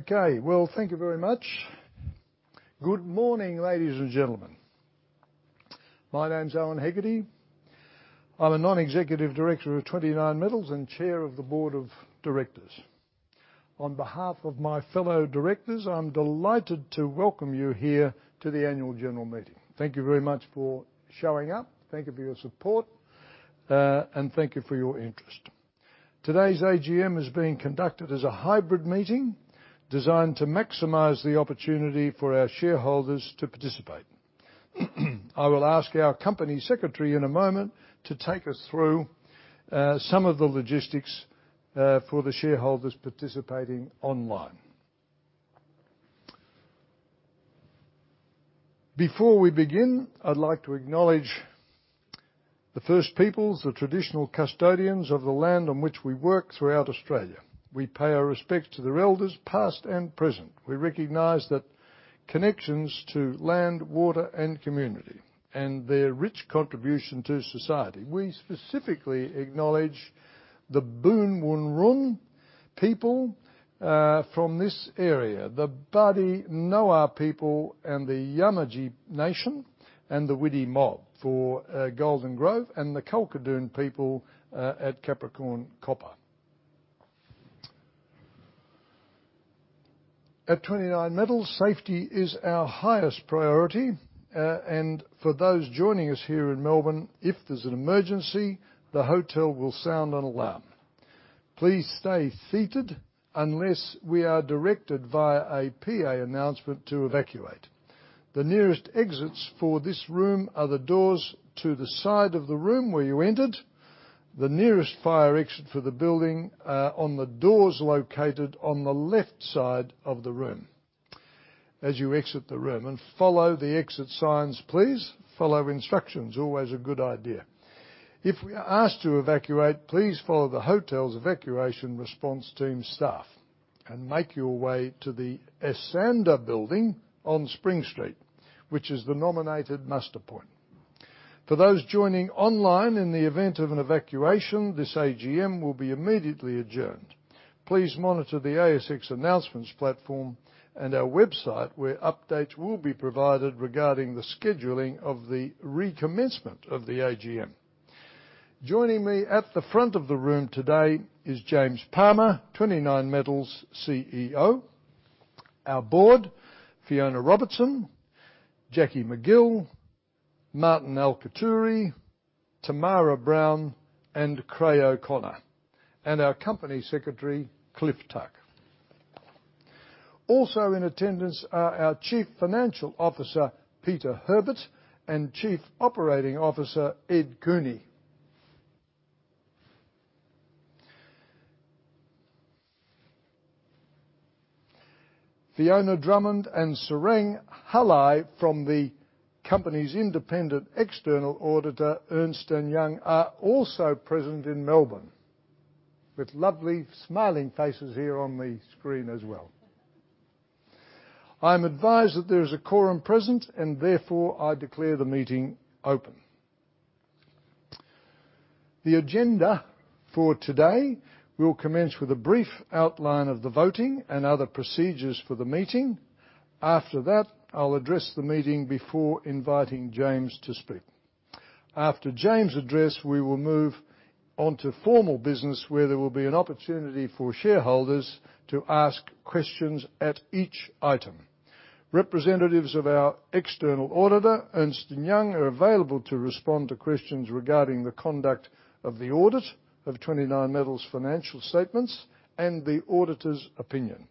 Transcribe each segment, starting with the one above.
Okay, well, thank you very much. Good morning, ladies and gentlemen. My name's Owen Hegarty. I'm a non-executive director of 29Metals and chair of the board of directors. On behalf of my fellow directors, I'm delighted to welcome you here to the annual general meeting. Thank you very much for showing up, thank you for your support, and thank you for your interest. Today's AGM is being conducted as a hybrid meeting designed to maximize the opportunity for our shareholders to participate. I will ask our company secretary in a moment to take us through some of the logistics for the shareholders participating online. Before we begin, I'd like to acknowledge the First Peoples, the traditional custodians of the land on which we work throughout Australia. We pay our respects to their elders, past and present. We recognize the connections to land, water, and community, and their rich contribution to society. We specifically acknowledge the Boon Wurrung People, from this area, the Badimia People, and the Yamatji Nation, and the Widi Mob for, Golden Grove, and the Kalkadoon People, at Capricorn Copper. At 29Metals, safety is our highest priority. For those joining us here in Melbourne, if there's an emergency, the hotel will sound an alarm. Please stay seated unless we are directed via a PA announcement to evacuate. The nearest exits for this room are the doors to the side of the room where you entered. The nearest fire exit for the building, on the doors located on the left side of the room as you exit the room. Follow the exit signs, please. Follow instructions, always a good idea. If we are asked to evacuate, please follow the hotel's evacuation response team staff and make your way to the Esanda Building on Spring Street, which is the nominated muster point. For those joining online, in the event of an evacuation, this AGM will be immediately adjourned. Please monitor the ASX announcements platform and our website, where updates will be provided regarding the scheduling of the recommencement of the AGM. Joining me at the front of the room today is James Palmer, 29Metals CEO. Our board, Fiona Robertson, Jacqui McGill, Martin Alciaturi, Tamara Brown, and Creagh O'Connor, and our Company Secretary, Cliff Tuck. Also in attendance are our Chief Financial Officer, Peter Herbert, and Chief Operating Officer, Ed Cooney. Fiona Drummond and Sarang Halai from the company's independent external auditor, Ernst & Young, are also present in Melbourne, with lovely, smiling faces here on the screen as well. I'm advised that there is a quorum present, and therefore, I declare the meeting open. The agenda for today will commence with a brief outline of the voting and other procedures for the meeting. After that, I'll address the meeting before inviting James to speak. After James' address, we will move on to formal business, where there will be an opportunity for shareholders to ask questions at each item. Representatives of our external auditor, Ernst & Young, are available to respond to questions regarding the conduct of the audit of 29Metals' financial statements and the auditor's opinion.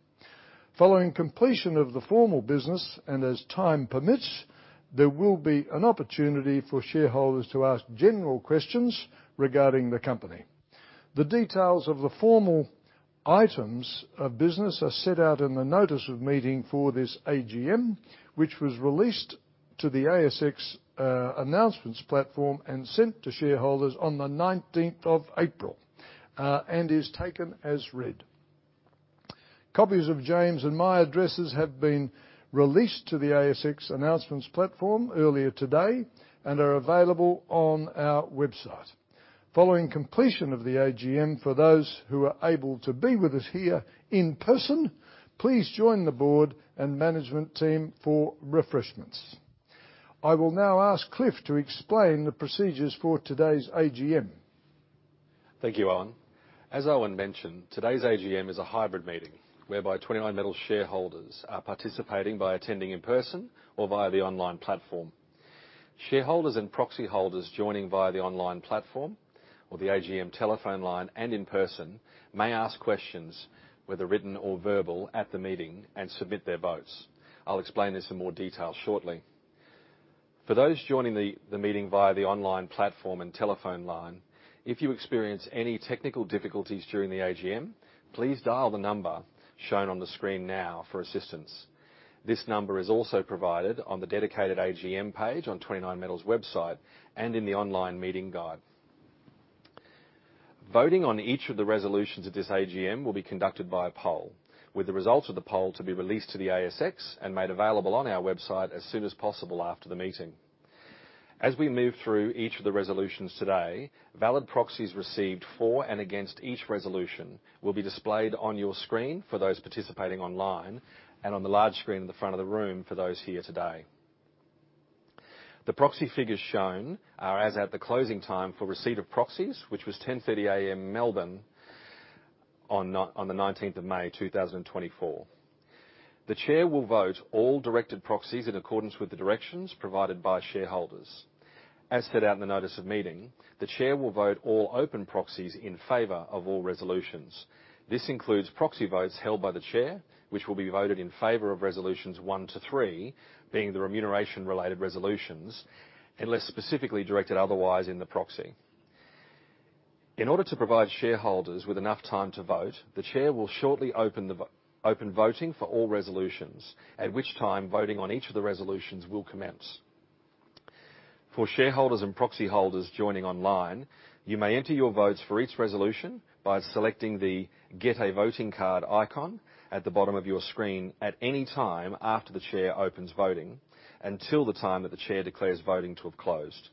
Following completion of the formal business, and as time permits, there will be an opportunity for shareholders to ask general questions regarding the company. The details of the formal items of business are set out in the notice of meeting for this AGM, which was released to the ASX announcements platform and sent to shareholders on the 19th of April, and is taken as read. Copies of James and my addresses have been released to the ASX announcements platform earlier today and are available on our website. Following completion of the AGM, for those who are able to be with us here in person, please join the board and management team for refreshments. I will now ask Cliff to explain the procedures for today's AGM. Thank you, Owen. As Owen mentioned, today's AGM is a hybrid meeting, whereby 29Metals shareholders are participating by attending in person or via the online platform. Shareholders and proxy holders joining via the online platform or the AGM telephone line and in person may ask questions, whether written or verbal, at the meeting and submit their votes. I'll explain this in more detail shortly. For those joining the meeting via the online platform and telephone line, if you experience any technical difficulties during the AGM, please dial the number shown on the screen now for assistance. This number is also provided on the dedicated AGM page on 29Metals' website and in the online meeting guide. Voting on each of the resolutions at this AGM will be conducted by a poll, with the results of the poll to be released to the ASX and made available on our website as soon as possible after the meeting. As we move through each of the resolutions today, valid proxies received for and against each resolution will be displayed on your screen for those participating online, and on the large screen in the front of the room for those here today. The proxy figures shown are as at the closing time for receipt of proxies, which was 10:30 A.M. Melbourne on the 19th of May 2024. The Chair will vote all directed proxies in accordance with the directions provided by shareholders. As set out in the notice of meeting, the Chair will vote all open proxies in favor of all resolutions. This includes proxy votes held by the Chair, which will be voted in favor of resolutions 1-3, being the remuneration-related resolutions, unless specifically directed otherwise in the proxy. In order to provide shareholders with enough time to vote, the Chair will shortly open open voting for all resolutions, at which time, voting on each of the resolutions will commence. For shareholders and proxy holders joining online, you may enter your votes for each resolution by selecting the Get a Voting Card icon at the bottom of your screen at any time after the Chair opens voting, until the time that the Chair declares voting to have closed.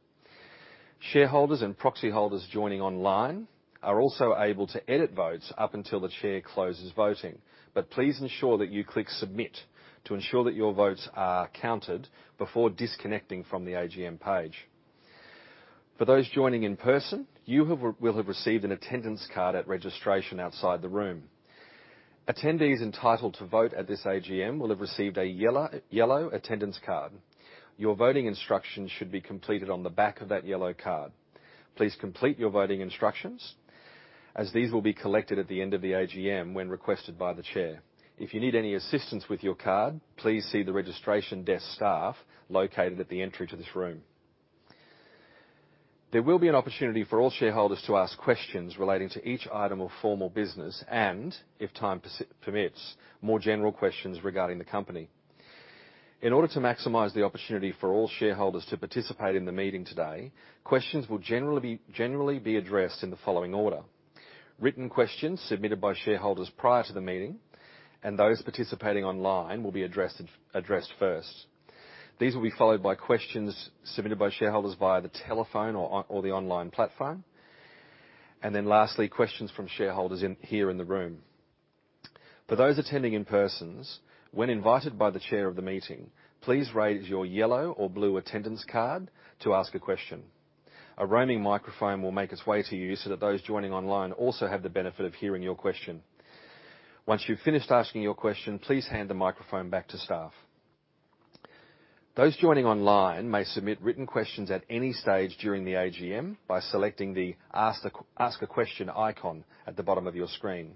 Shareholders and proxy holders joining online are also able to edit votes up until the Chair closes voting, but please ensure that you click Submit to ensure that your votes are counted before disconnecting from the AGM page. For those joining in person, you will have received an attendance card at registration outside the room. Attendees entitled to vote at this AGM will have received a yellow attendance card. Your voting instructions should be completed on the back of that yellow card. Please complete your voting instructions, as these will be collected at the end of the AGM when requested by the Chair. If you need any assistance with your card, please see the registration desk staff located at the entry to this room. There will be an opportunity for all shareholders to ask questions relating to each item of formal business and, if time permits, more general questions regarding the company. In order to maximize the opportunity for all shareholders to participate in the meeting today, questions will generally be addressed in the following order: written questions submitted by shareholders prior to the meeting, and those participating online will be addressed first. These will be followed by questions submitted by shareholders via the telephone or on the online platform, and then lastly, questions from shareholders here in the room. For those attending in person, when invited by the Chair of the meeting, please raise your yellow or blue attendance card to ask a question. A roaming microphone will make its way to you so that those joining online also have the benefit of hearing your question. Once you've finished asking your question, please hand the microphone back to staff. Those joining online may submit written questions at any stage during the AGM by selecting the Ask a Question icon at the bottom of your screen.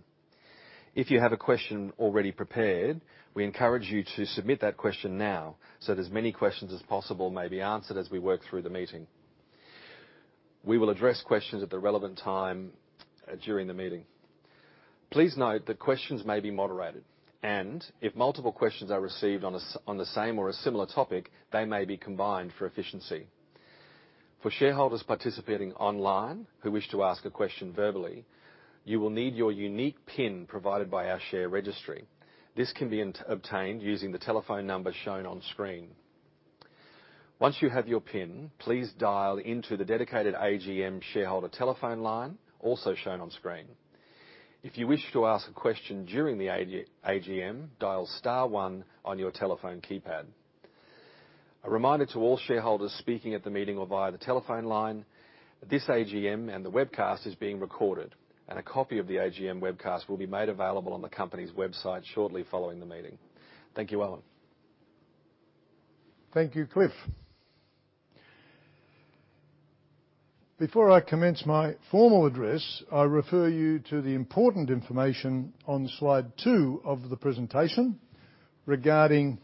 If you have a question already prepared, we encourage you to submit that question now, so that as many questions as possible may be answered as we work through the meeting. We will address questions at the relevant time during the meeting. Please note that questions may be moderated, and if multiple questions are received on the same or a similar topic, they may be combined for efficiency. For shareholders participating online who wish to ask a question verbally, you will need your unique PIN provided by our share registry. This can be obtained using the telephone number shown on screen. Once you have your PIN, please dial into the dedicated AGM shareholder telephone line, also shown on screen. If you wish to ask a question during the AGM, dial star one on your telephone keypad. A reminder to all shareholders speaking at the meeting or via the telephone line, this AGM and the webcast is being recorded, and a copy of the AGM webcast will be made available on the company's website shortly following the meeting. Thank you, Owen. Thank you, Cliff. Before I commence my formal address, I refer you to the important information on slide two of the presentation regarding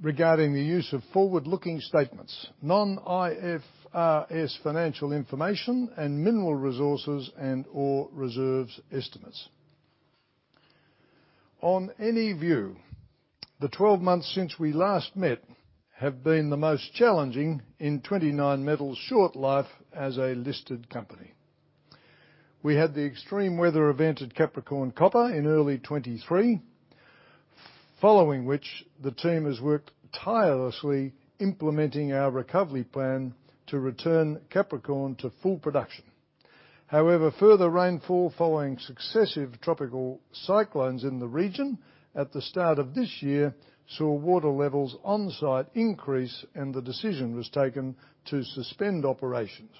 the use of forward-looking statements, non-IFRS financial information, and mineral resources and/or reserves estimates. On any view, the 12 months since we last met have been the most challenging in 29Metals' short life as a listed company. We had the extreme weather event at Capricorn Copper in early 2023, following which the team has worked tirelessly implementing our recovery plan to return Capricorn to full production. However, further rainfall following successive tropical cyclones in the region at the start of this year, saw water levels on-site increase, and the decision was taken to suspend operations.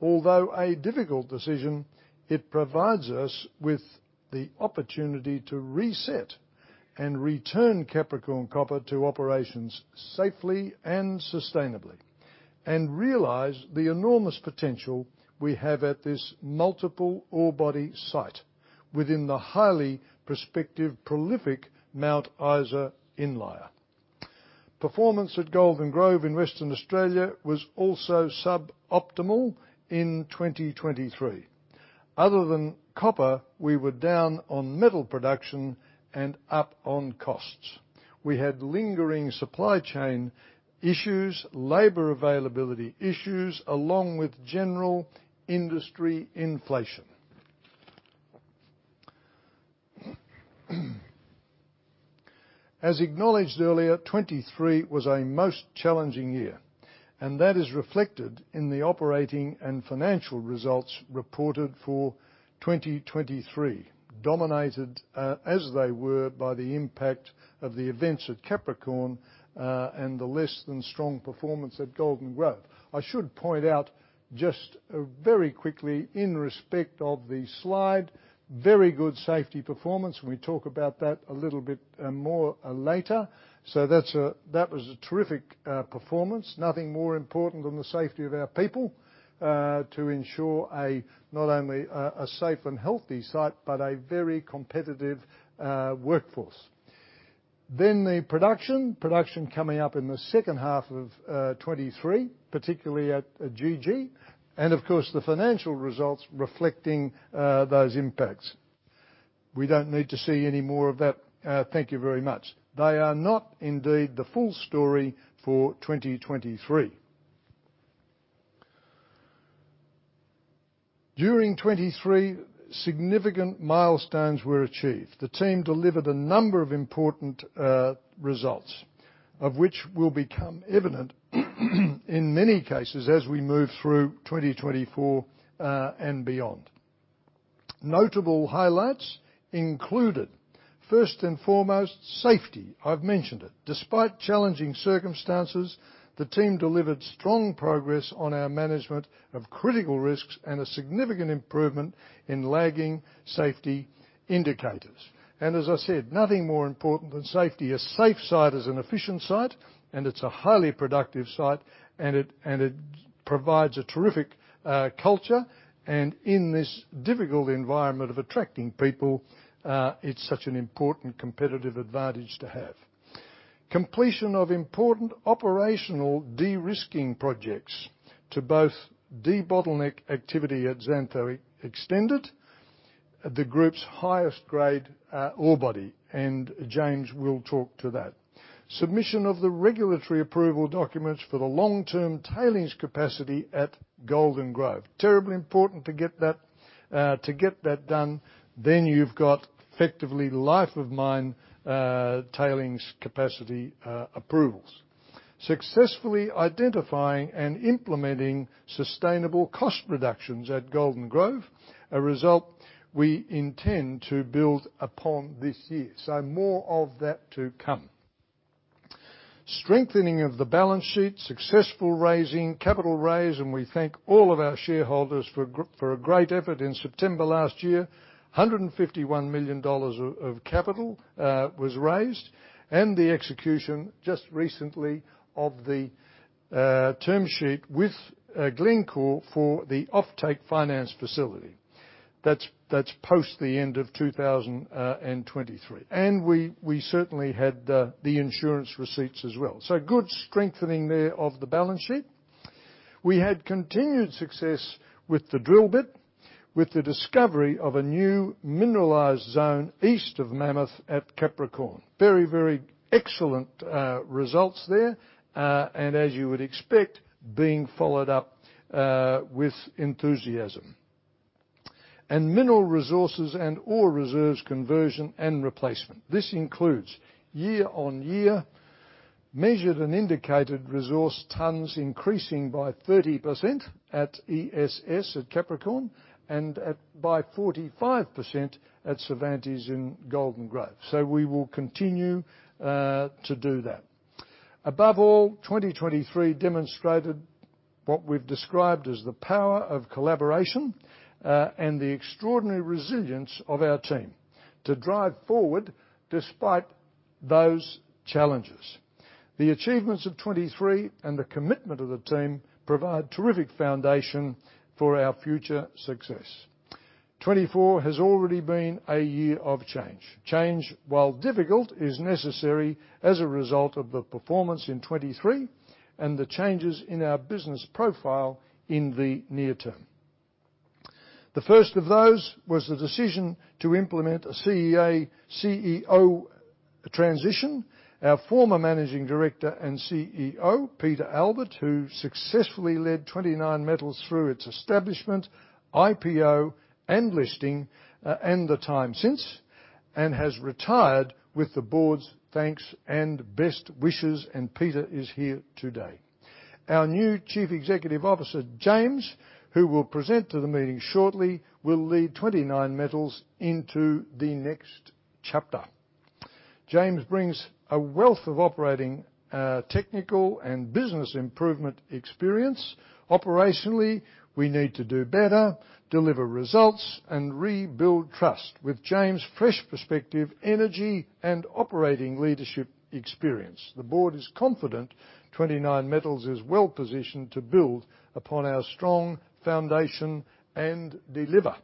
Although a difficult decision, it provides us with the opportunity to reset and return Capricorn Copper to operations safely and sustainably, and realize the enormous potential we have at this multiple ore body site within the highly prospective prolific Mount Isa Inlier. Performance at Golden Grove in Western Australia was also sub-optimal in 2023. Other than copper, we were down on metal production and up on costs. We had lingering supply chain issues, labor availability issues, along with general industry inflation. As acknowledged earlier, 2023 was a most challenging year, and that is reflected in the operating and financial results reported for 2023, dominated, as they were by the impact of the events at Capricorn, and the less than strong performance at Golden Grove. I should point out just, very quickly in respect of the slide, very good safety performance. We talk about that a little bit, more later. So that's—that was a terrific performance. Nothing more important than the safety of our people to ensure a, not only a safe and healthy site, but a very competitive workforce. Then the production. Production coming up in the second half of 2023, particularly at GG, and of course, the financial results reflecting those impacts. We don't need to see any more of that. Thank you very much. They are not indeed the full story for 2023. During 2023, significant milestones were achieved. The team delivered a number of important results, of which will become evident, in many cases as we move through 2024 and beyond. Notable highlights included, first and foremost, safety. I've mentioned it. Despite challenging circumstances, the team delivered strong progress on our management of critical risks and a significant improvement in lagging safety indicators. And as I said, nothing more important than safety. A safe site is an efficient site, and it's a highly productive site, and it provides a terrific culture, and in this difficult environment of attracting people, it's such an important competitive advantage to have. Completion of important operational de-risking projects to both debottleneck activity at Xantho Extended, the group's highest grade ore body, and James will talk to that. Submission of the regulatory approval documents for the long-term tailings capacity at Golden Grove. Terribly important to get that, to get that done, then you've got effectively life of mine tailings capacity approvals. Successfully identifying and implementing sustainable cost reductions at Golden Grove, a result we intend to build upon this year, so more of that to come. Strengthening of the balance sheet, successful raising, capital raise, and we thank all of our shareholders for a great effort in September last year. 151 million dollars of capital was raised, and the execution just recently of the term sheet with Glencore for the offtake finance facility. That's post the end of 2023. And we certainly had the insurance receipts as well. So good strengthening there of the balance sheet. We had continued success with the drill bit, with the discovery of a new mineralized zone east of Mammoth at Capricorn. Very, very excellent results there, and as you would expect, being followed up with enthusiasm. Mineral resources and ore reserves conversion and replacement. This includes year-on-year measured and indicated resource tonnes increasing by 30% at Mammoth East at Capricorn and by 45% at Cervantes in Golden Grove. So we will continue to do that. Above all, 2023 demonstrated what we've described as the power of collaboration and the extraordinary resilience of our team to drive forward despite those challenges. The achievements of 2023 and the commitment of the team provide terrific foundation for our future success. 2024 has already been a year of change. Change, while difficult, is necessary as a result of the performance in 2023 and the changes in our business profile in the near term. The first of those was the decision to implement a CEO transition. Our former Managing Director and CEO, Peter Albert, who successfully led 29Metals through its establishment, IPO, and listing, and the time since, and has retired with the board's thanks and best wishes, and Peter is here today. Our new Chief Executive Officer, James, who will present to the meeting shortly, will lead 29Metals into the next chapter. James brings a wealth of operating, technical, and business improvement experience. Operationally, we need to do better, deliver results, and rebuild trust. With James' fresh perspective, energy, and operating leadership experience, the board is confident 29Metals is well-positioned to build upon our strong foundation and deliver.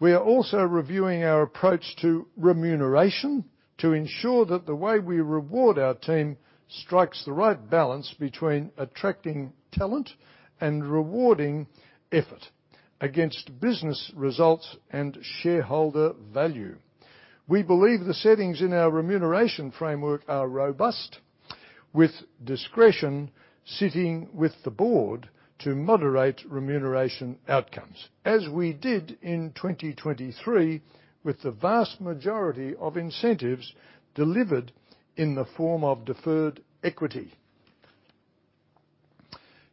We are also reviewing our approach to remuneration to ensure that the way we reward our team strikes the right balance between attracting talent and rewarding effort against business results and shareholder value. We believe the settings in our remuneration framework are robust, with discretion sitting with the board to moderate remuneration outcomes, as we did in 2023, with the vast majority of incentives delivered in the form of deferred equity.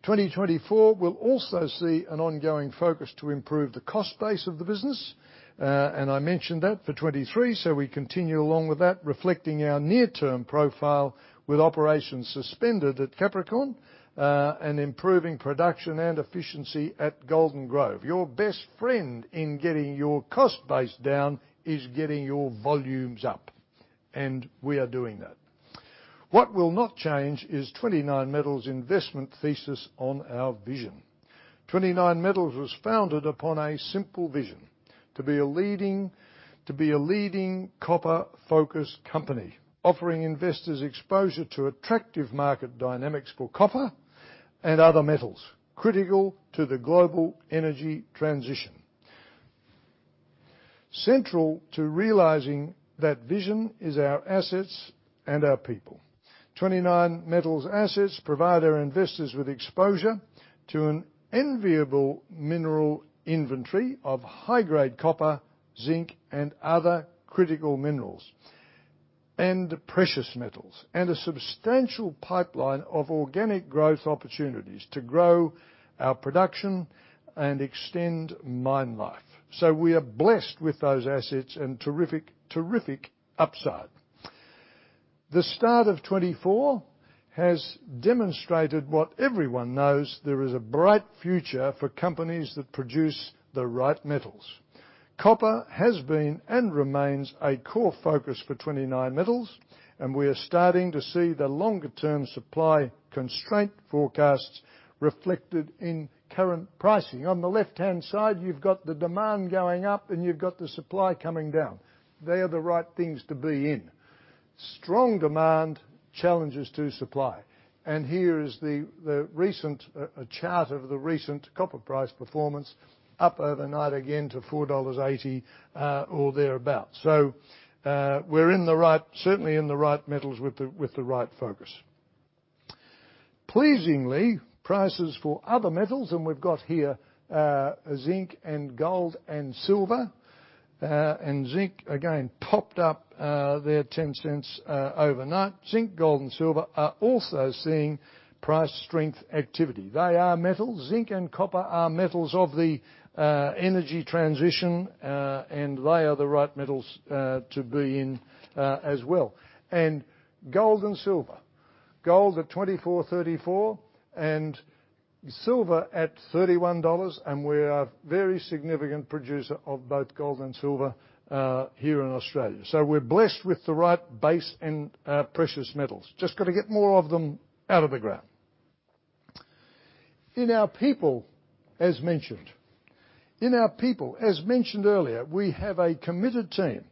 2024 will also see an ongoing focus to improve the cost base of the business, and I mentioned that for 2023, so we continue along with that, reflecting our near-term profile with operations suspended at Capricorn, and improving production and efficiency at Golden Grove. Your best friend in getting your cost base down is getting your volumes up, and we are doing that. What will not change is 29Metals' investment thesis on our vision. 29Metals was founded upon a simple vision: to be a leading, to be a leading copper-focused company, offering investors exposure to attractive market dynamics for copper and other metals, critical to the global energy transition. Central to realizing that vision is our assets and our people. 29Metals' assets provide our investors with exposure to an enviable mineral inventory of high-grade copper, zinc, and other critical minerals and precious metals, and a substantial pipeline of organic growth opportunities to grow our production and extend mine life. So we are blessed with those assets and terrific, terrific upside. The start of 2024 has demonstrated what everyone knows, there is a bright future for companies that produce the right metals. Copper has been and remains a core focus for 29Metals, and we are starting to see the longer-term supply constraint forecasts reflected in current pricing. On the left-hand side, you've got the demand going up, and you've got the supply coming down. They are the right things to be in. Strong demand, challenges to supply. And here is a chart of the recent copper price performance, up overnight again to $4.80 or thereabout. So, we're in the right, certainly in the right metals with the right focus. Pleasingly, prices for other metals, and we've got here zinc and gold and silver, and zinc again popped up there $0.10 overnight. Zinc, gold, and silver are also seeing price strength activity. They are metals. Zinc and copper are metals of the energy transition, and they are the right metals to be in as well. And gold and silver. Gold at $2,434 and silver at $31, and we're a very significant producer of both gold and silver here in Australia. So we're blessed with the right base and precious metals. Just got to get more of them out of the ground. In our people, as mentioned, in our people, as mentioned earlier, we have a committed team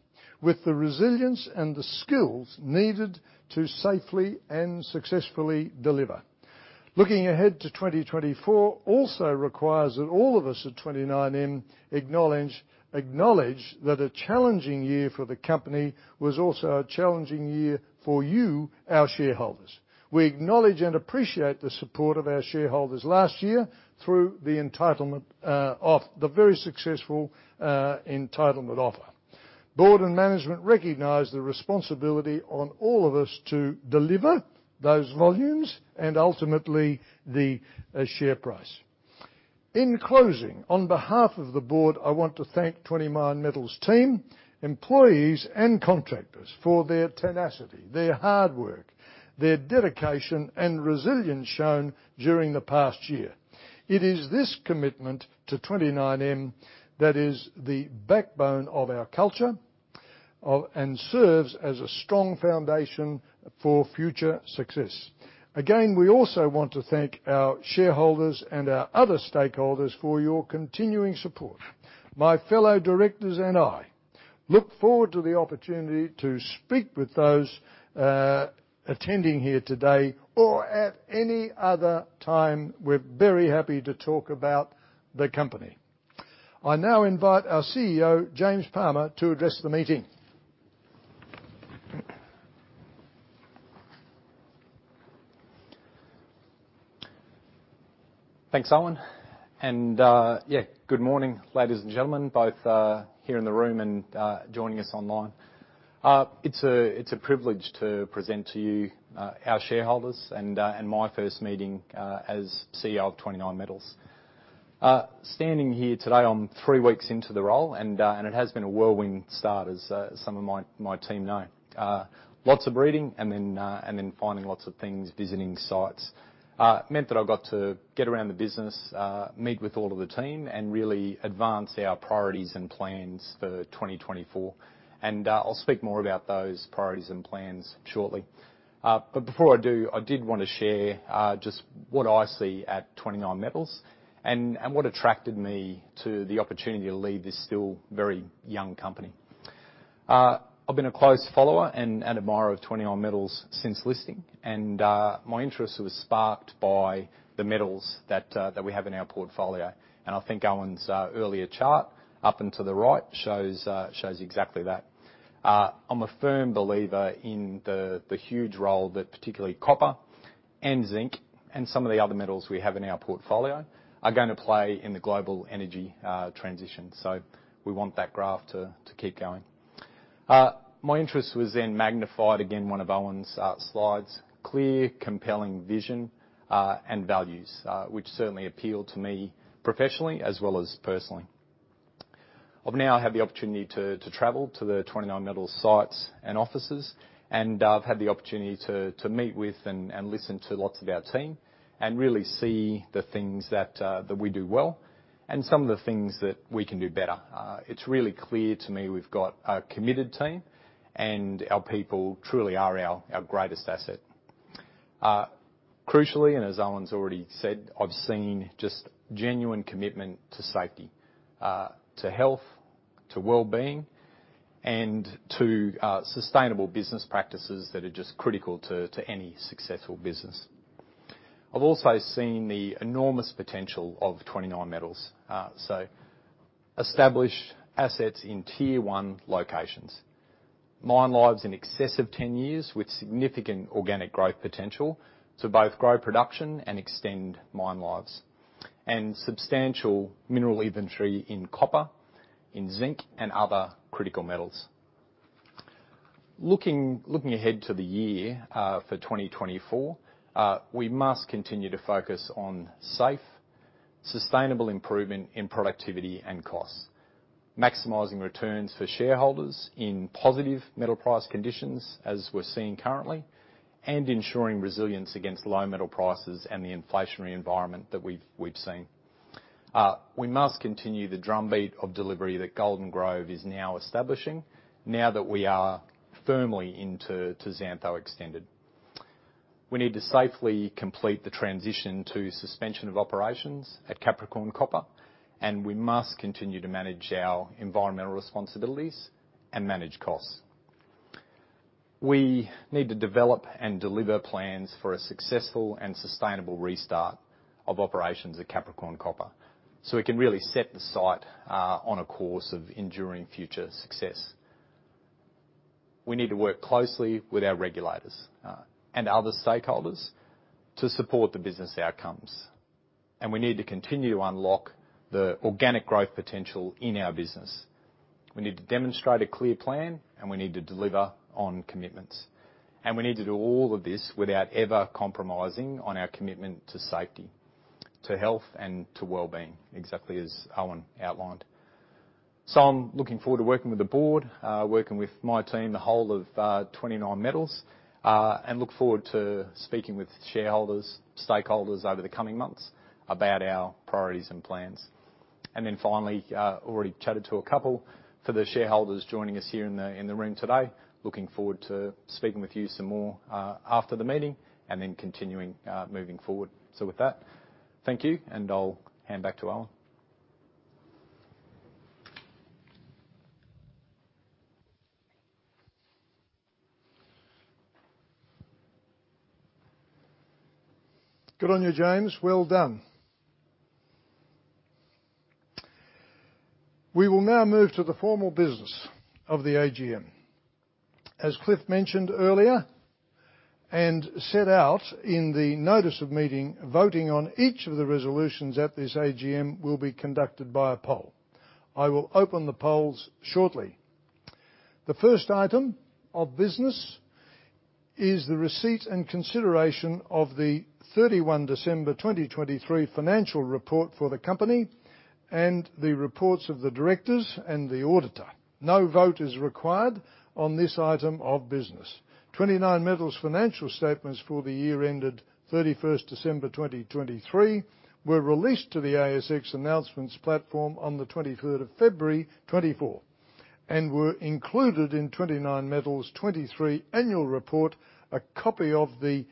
with the resilience and the skills needed to safely and successfully deliver. Looking ahead to 2024 also requires that all of us at 29M acknowledge, acknowledge that a challenging year for the company was also a challenging year for you, our shareholders. We acknowledge and appreciate the support of our shareholders last year through the entitlement offer—the very successful entitlement offer. Board and management recognize the responsibility on all of us to deliver those volumes and ultimately the share price. In closing, on behalf of the board, I want to thank 29Metals' team, employees, and contractors for their tenacity, their hard work, their dedication, and resilience shown during the past year. It is this commitment to 29M that is the backbone of our culture, and serves as a strong foundation for future success. Again, we also want to thank our shareholders and our other stakeholders for your continuing support. My fellow directors and I look forward to the opportunity to speak with those attending here today or at any other time. We're very happy to talk about the company. I now invite our CEO, James Palmer, to address the meeting. Thanks, Owen. And, yeah, good morning, ladies and gentlemen, both here in the room and joining us online. It's a privilege to present to you our shareholders, and my first meeting as CEO of 29Metals. Standing here today, I'm three weeks into the role, and it has been a whirlwind start, as some of my team know. Lots of reading and then finding lots of things, visiting sites. It meant that I got to get around the business, meet with all of the team, and really advance our priorities and plans for 2024. And, I'll speak more about those priorities and plans shortly. But before I do, I did want to share just what I see at 29Metals and what attracted me to the opportunity to lead this still very young company. I've been a close follower and an admirer of 29Metals since listing, and my interest was sparked by the metals that we have in our portfolio. And I think Owen's earlier chart, up and to the right, shows exactly that. I'm a firm believer in the huge role that particularly copper and zinc, and some of the other metals we have in our portfolio, are going to play in the global energy transition. So we want that graph to keep going. My interest was then magnified, again, one of Owen's slides, clear, compelling vision and values, which certainly appealed to me professionally as well as personally. I've now had the opportunity to travel to the 29Metals sites and offices, and I've had the opportunity to meet with and listen to lots of our team and really see the things that we do well and some of the things that we can do better. It's really clear to me we've got a committed team, and our people truly are our greatest asset. Crucially, and as Owen's already said, I've seen just genuine commitment to safety, to health, to well-being, and to sustainable business practices that are just critical to any successful business. I've also seen the enormous potential of 29Metals. So established assets in Tier 1 locations. Mine lives in excess of 10 years with significant organic growth potential to both grow production and extend mine lives, and substantial mineral inventory in copper, in zinc, and other critical metals. Looking ahead to the year, for 2024, we must continue to focus on safe, sustainable improvement in productivity and costs, maximizing returns for shareholders in positive metal price conditions, as we're seeing currently, and ensuring resilience against low metal prices and the inflationary environment that we've seen. We must continue the drumbeat of delivery that Golden Grove is now establishing, now that we are firmly into Xantho Extended. We need to safely complete the transition to suspension of operations at Capricorn Copper, and we must continue to manage our environmental responsibilities and manage costs. We need to develop and deliver plans for a successful and sustainable restart of operations at Capricorn Copper, so we can really set the site on a course of enduring future success. We need to work closely with our regulators and other stakeholders to support the business outcomes, and we need to continue to unlock the organic growth potential in our business. We need to demonstrate a clear plan, and we need to deliver on commitments, and we need to do all of this without ever compromising on our commitment to safety, to health, and to well-being, exactly as Owen outlined. So I'm looking forward to working with the board, working with my team, the whole of 29Metals, and look forward to speaking with shareholders, stakeholders over the coming months about our priorities and plans. And then finally, already chatted to a couple for the shareholders joining us here in the room today, looking forward to speaking with you some more after the meeting and then continuing moving forward. So with that, thank you, and I'll hand back to Owen. Good on you, James. Well done. We will now move to the formal business of the AGM. As Cliff mentioned earlier, and set out in the notice of meeting, voting on each of the resolutions at this AGM will be conducted by a poll. I will open the polls shortly. The first item of business is the receipt and consideration of the 31 December 2023 financial report for the company and the reports of the directors and the auditor. No vote is required on this item of business. 29Metals financial statements for the year ended 31st December 2023, were released to the ASX announcements platform on the 23rd February 2024 and were included in 29Metals' 2023 annual report. A copy of the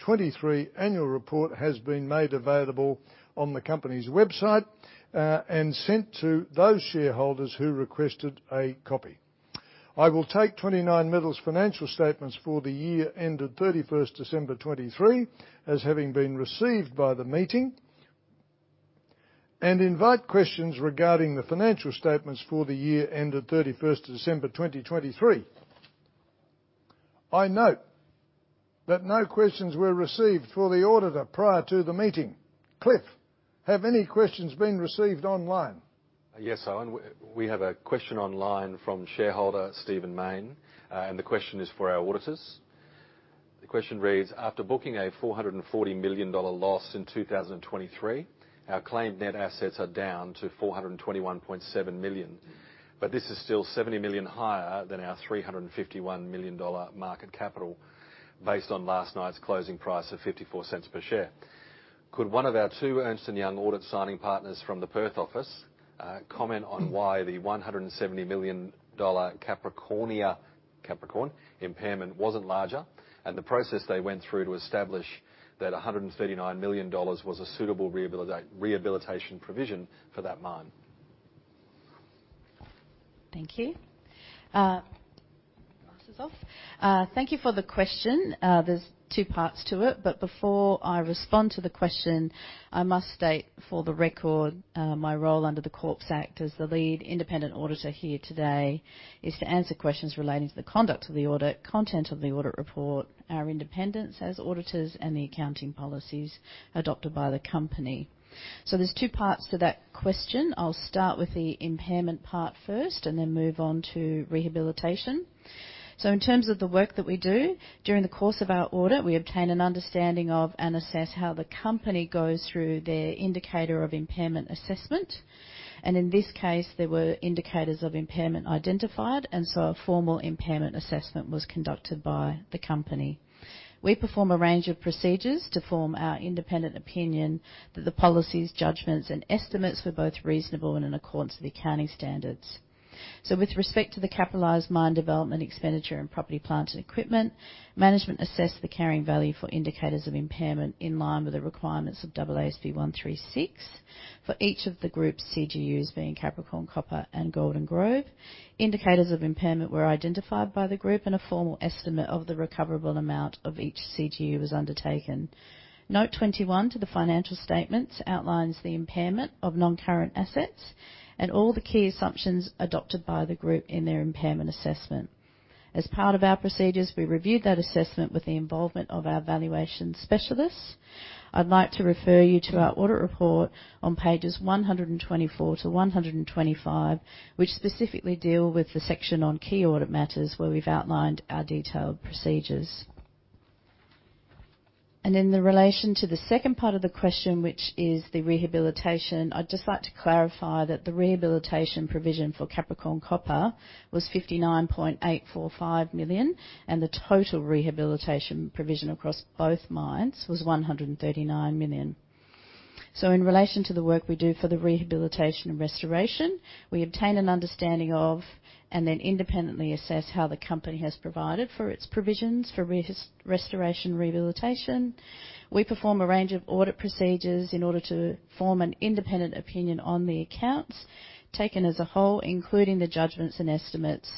2023 annual report has been made available on the company's website, and sent to those shareholders who requested a copy. I will take 29Metals financial statements for the year ended thirty-first December 2023, as having been received by the meeting, and invite questions regarding the financial statements for the year ended 31st December 2023. I note that no questions were received for the auditor prior to the meeting. Cliff, have any questions been received online? Yes, Owen. We have a question online from shareholder Stephen Mayne, and the question is for our auditors. The question reads: After booking an AUD 440 million loss in 2023, our claimed net assets are down to AUD 421.7 million, but this is still AUD 70 million higher than our AUD 351 million market capital based on last night's closing price of 0.54 per share. Could one of our two Ernst & Young audit signing partners from the Perth office comment on why the 170 million dollar Capricorn Copper impairment wasn't larger, and the process they went through to establish that 139 million dollars was a suitable rehabilitation provision for that mine? Thank you. Thank you for the question. There's two parts to it, but before I respond to the question, I must state for the record, my role under the Corporations Act as the lead independent auditor here today, is to answer questions relating to the conduct of the audit, content of the audit report, our independence as auditors, and the accounting policies adopted by the company. So there's two parts to that question. I'll start with the impairment part first and then move on to rehabilitation. So in terms of the work that we do, during the course of our audit, we obtain an understanding of and assess how the company goes through their indicator of impairment assessment. And in this case, there were indicators of impairment identified, and so a formal impairment assessment was conducted by the company. We perform a range of procedures to form our independent opinion that the policies, judgments, and estimates were both reasonable and in accordance to the accounting standards. With respect to the capitalized mine development expenditure and property, plant, and equipment, management assessed the carrying value for indicators of impairment in line with the requirements of AASB 136. For each of the Group's CGUs, being Capricorn Copper and Golden Grove, indicators of impairment were identified by the Group and a formal estimate of the recoverable amount of each CGU was undertaken. Note 21 to the financial statements outlines the impairment of non-current assets and all the key assumptions adopted by the Group in their impairment assessment. As part of our procedures, we reviewed that assessment with the involvement of our valuation specialists. I'd like to refer you to our audit report on pages 124-125, which specifically deal with the section on key audit matters, where we've outlined our detailed procedures. And in relation to the second part of the question, which is the rehabilitation, I'd just like to clarify that the rehabilitation provision for Capricorn Copper was 59.845 million, and the total rehabilitation provision across both mines was 139 million. So in relation to the work we do for the rehabilitation and restoration, we obtain an understanding of, and then independently assess how the company has provided for its provisions for restoration and rehabilitation. We perform a range of audit procedures in order to form an independent opinion on the accounts, taken as a whole, including the judgments and estimates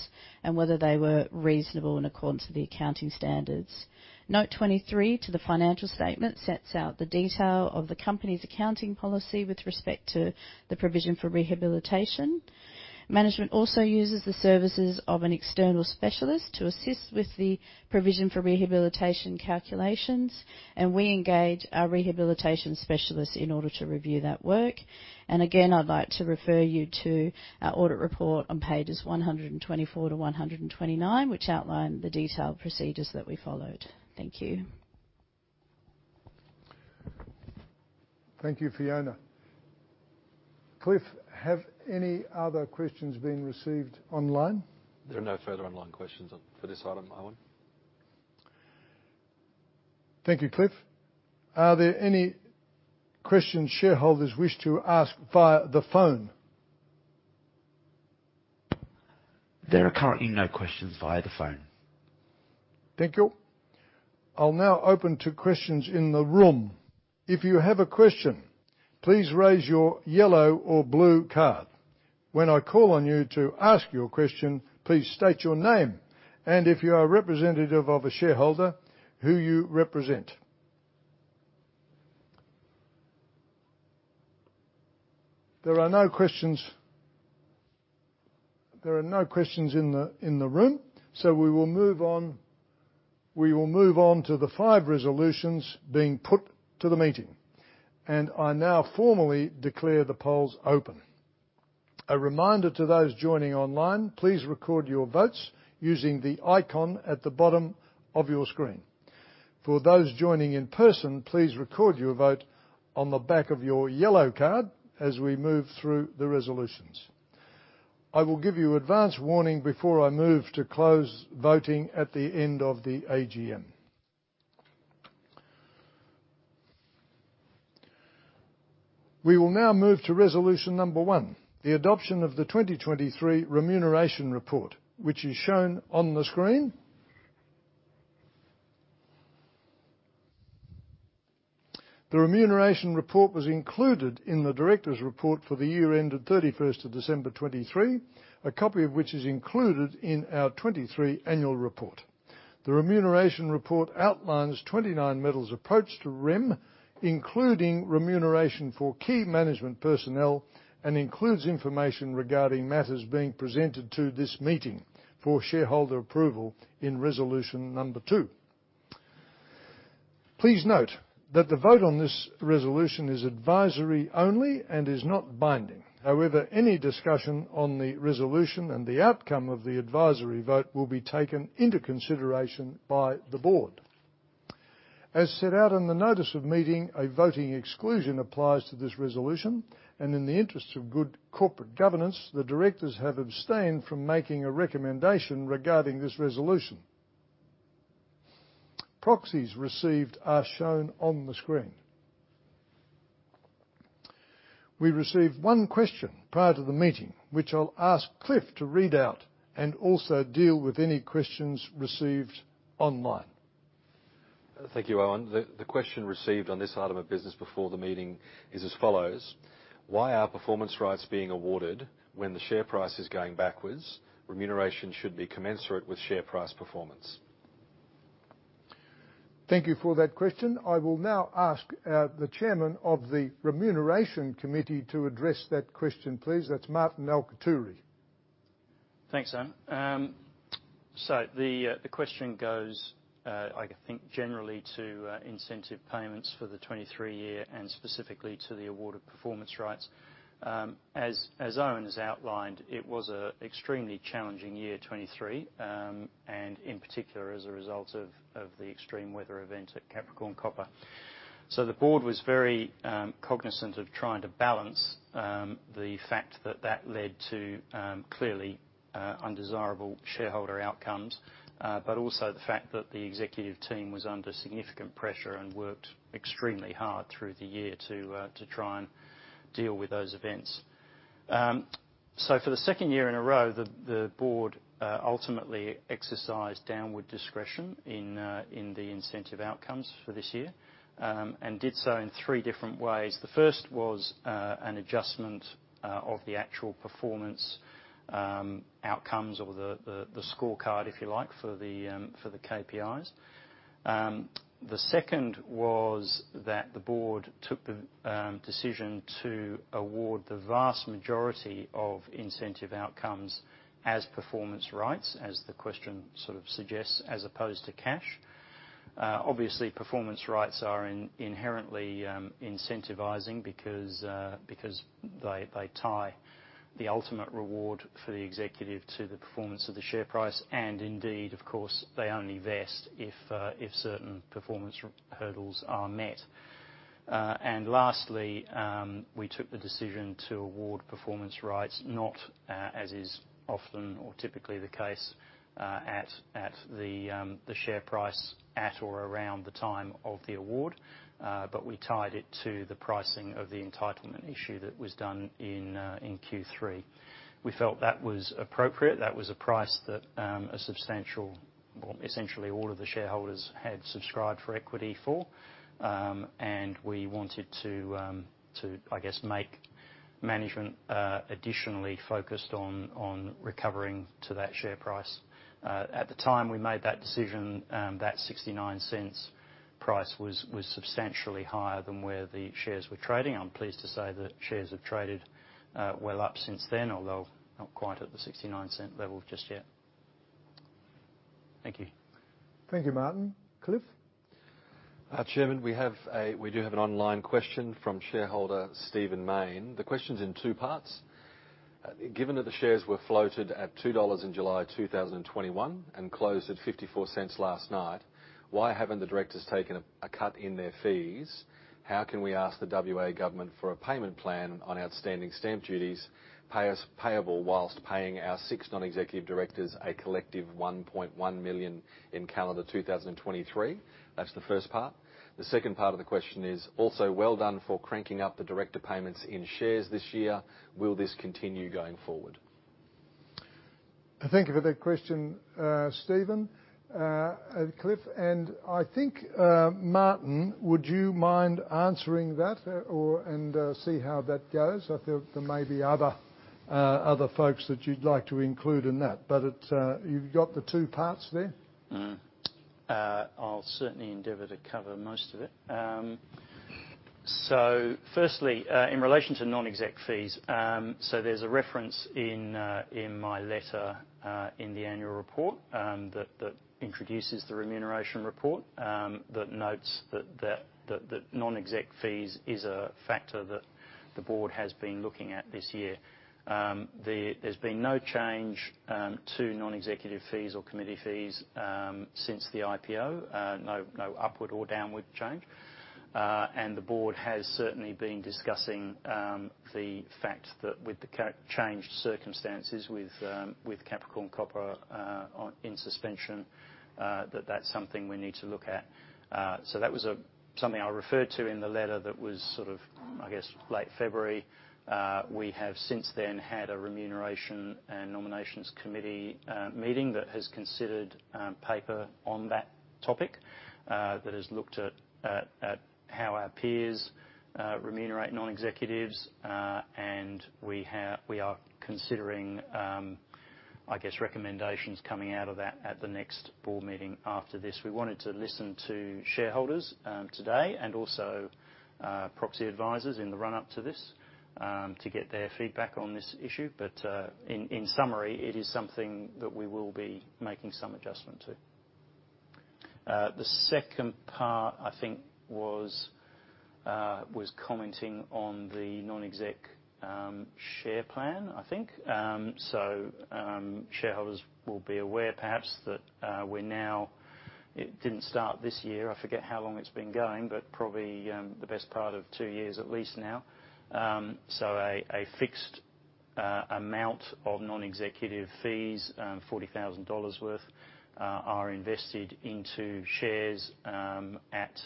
and whether they were reasonable in accordance with the accounting standards. Note 23 to the financial statement sets out the detail of the company's accounting policy with respect to the provision for rehabilitation. Management also uses the services of an external specialist to assist with the provision for rehabilitation calculations, and we engage our rehabilitation specialist in order to review that work. And again, I'd like to refer you to our audit report on pages 124-129, which outline the detailed procedures that we followed. Thank you. Thank you, Fiona. Cliff, have any other questions been received online? There are no further online questions on, for this item, Owen. Thank you, Cliff. Are there any questions shareholders wish to ask via the phone? There are currently no questions via the phone. Thank you. I'll now open to questions in the room. If you have a question, please raise your yellow or blue card. When I call on you to ask your question, please state your name, and if you are a representative of a shareholder, who you represent. There are no questions. There are no questions in the room, so we will move on, we will move on to the five resolutions being put to the meeting, and I now formally declare the polls open. A reminder to those joining online, please record your votes using the icon at the bottom of your screen. For those joining in person, please record your vote on the back of your yellow card as we move through the resolutions. I will give you advance warning before I move to close voting at the end of the AGM. We will now move to resolution number one, the adoption of the 2023 Remuneration Report, which is shown on the screen. The Remuneration Report was included in the directors' report for the year ended 31st of December 2023, a copy of which is included in our 2023 annual report. The Remuneration Report outlines 29Metals approach to remuneration, including remuneration for key management personnel, and includes information regarding matters being presented to this meeting for shareholder approval in resolution number two. Please note that the vote on this resolution is advisory only and is not binding. However, any discussion on the resolution and the outcome of the advisory vote will be taken into consideration by the board. As set out in the notice of meeting, a voting exclusion applies to this resolution, and in the interests of good corporate governance, the directors have abstained from making a recommendation regarding this resolution. Proxies received are shown on the screen. We received one question prior to the meeting, which I'll ask Cliff to read out and also deal with any questions received online. Thank you, Owen. The question received on this item of business before the meeting is as follows: Why are performance rights being awarded when the share price is going backwards? Remuneration should be commensurate with share price performance. Thank you for that question. I will now ask the Chairman of the Remuneration Committee to address that question, please. That's Martin Alciaturi. Thanks, Owen. So the question goes, I think generally to incentive payments for the 2023 year and specifically to the award of performance rights. As Owen has outlined, it was an extremely challenging year, 2023, and in particular, as a result of the extreme weather event at Capricorn Copper. So the board was very cognizant of trying to balance the fact that that led to clearly undesirable shareholder outcomes, but also the fact that the executive team was under significant pressure and worked extremely hard through the year to try and deal with those events. So for the second year in a row, the board ultimately exercised downward discretion in the incentive outcomes for this year, and did so in three different ways. The first was an adjustment of the actual performance outcomes or the scorecard, if you like, for the KPIs. The second was that the board took the decision to award the vast majority of incentive outcomes as performance rights, as the question sort of suggests, as opposed to cash. Obviously, performance rights are inherently incentivizing because they tie the ultimate reward for the executive to the performance of the share price. And indeed, of course, they only vest if certain performance hurdles are met. And lastly, we took the decision to award performance rights, not, as is often or typically the case, at the share price, at or around the time of the award, but we tied it to the pricing of the entitlement issue that was done in Q3. We felt that was appropriate. That was a price that, a substantial—well, essentially all of the shareholders had subscribed for equity for, and we wanted to, I guess, make management additionally focused on recovering to that share price. At the time we made that decision, that 0.69 price was substantially higher than where the shares were trading. I'm pleased to say that shares have traded well up since then, although not quite at the 0.69 level just yet. Thank you. Thank you, Martin. Cliff? Chairman, we do have an online question from shareholder Stephen Mayne. The question's in two parts. Given that the shares were floated at 2 dollars in July 2021 and closed at 0.54 last night, why haven't the directors taken a cut in their fees? How can we ask the WA government for a payment plan on outstanding stamp duties, payable whilst paying our six non-executive directors a collective 1.1 million in calendar 2023? That's the first part. The second part of the question is, also well done for cranking up the director payments in shares this year. Will this continue going forward? Thank you for that question, Steven, Cliff, and I think, Martin, would you mind answering that or, and, see how that goes? I feel there may be other, other folks that you'd like to include in that, but it, you've got the two parts there. I'll certainly endeavor to cover most of it. So firstly, in relation to non-exec fees, so there's a reference in, in my letter, in the annual report, that non-exec fees is a factor that the board has been looking at this year. There's been no change to non-executive fees or committee fees since the IPO, no upward or downward change. And the board has certainly been discussing the fact that with the changed circumstances with Capricorn Copper on, in suspension, that that's something we need to look at. So that was something I referred to in the letter that was sort of, I guess, late February. We have since then had a remuneration and nominations committee meeting that has considered paper on that topic that has looked at how our peers remunerate non-executives, and we are considering, I guess, recommendations coming out of that at the next board meeting after this. We wanted to listen to shareholders today and also proxy advisors in the run-up to this to get their feedback on this issue. But, in summary, it is something that we will be making some adjustment to. The second part, I think, was commenting on the non-exec share plan, I think. So, shareholders will be aware perhaps that we're now. It didn't start this year. I forget how long it's been going, but probably the best part of two years, at least now. So a fixed amount of non-executive fees, 40,000 dollars worth, are invested into shares at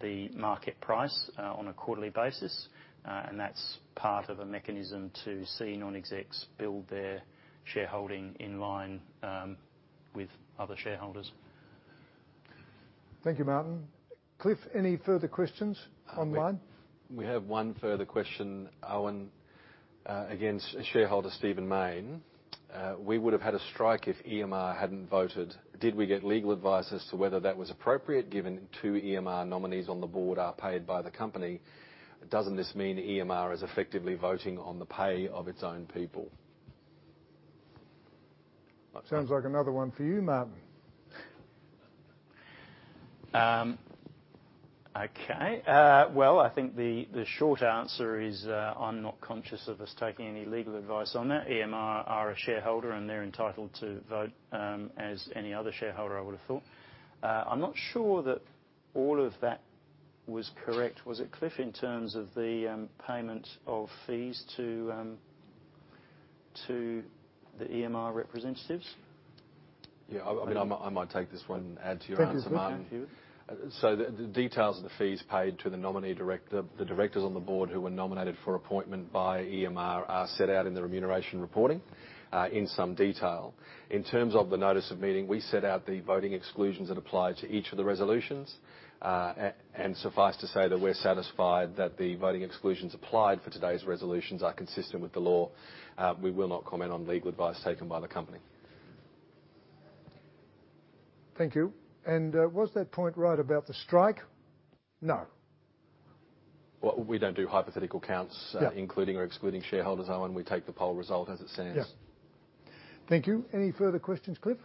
the market price on a quarterly basis. And that's part of a mechanism to see non-execs build their shareholding in line with other shareholders. Thank you, Martin. Cliff, any further questions online? We have one further question, Owen. Again, it's a shareholder, Stephen Mayne. "We would have had a strike if EMR hadn't voted. Did we get legal advice as to whether that was appropriate, given two EMR nominees on the board are paid by the company? Doesn't this mean EMR is effectively voting on the pay of its own people? Sounds like another one for you, Martin. Okay. Well, I think the short answer is, I'm not conscious of us taking any legal advice on that. EMR are a shareholder, and they're entitled to vote, as any other shareholder, I would have thought. I'm not sure that all of that was correct, was it, Cliff, in terms of the payment of fees to the EMR representatives? Yeah, I mean, I might take this one and add to your answer, Martin. Thank you, Cliff. So the details of the fees paid to the nominee director, the directors on the board who were nominated for appointment by EMR, are set out in the remuneration reporting in some detail. In terms of the notice of meeting, we set out the voting exclusions that apply to each of the resolutions. And suffice to say that we're satisfied that the voting exclusions applied for today's resolutions are consistent with the law. We will not comment on legal advice taken by the company. Thank you. And, was that point right about the strike? No. Well, we don't do hypothetical counts- Yeah Including or excluding shareholders, Owen. We take the poll result as it stands. Yeah. Thank you. Any further questions, Cliff?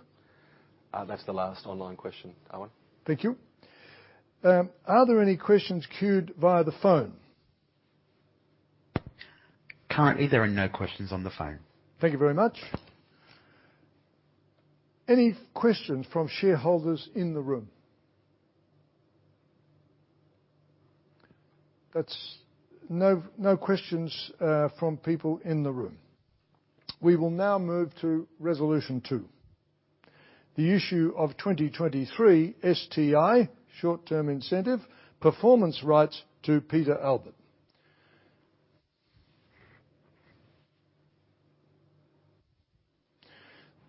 That's the last online question, Owen. Thank you. Are there any questions queued via the phone? Currently, there are no questions on the phone. Thank you very much. Any questions from shareholders in the room? That's no questions from people in the room. We will now move to Resolution 2, the issue of 2023 STI, short-term incentive, performance rights to Peter Albert.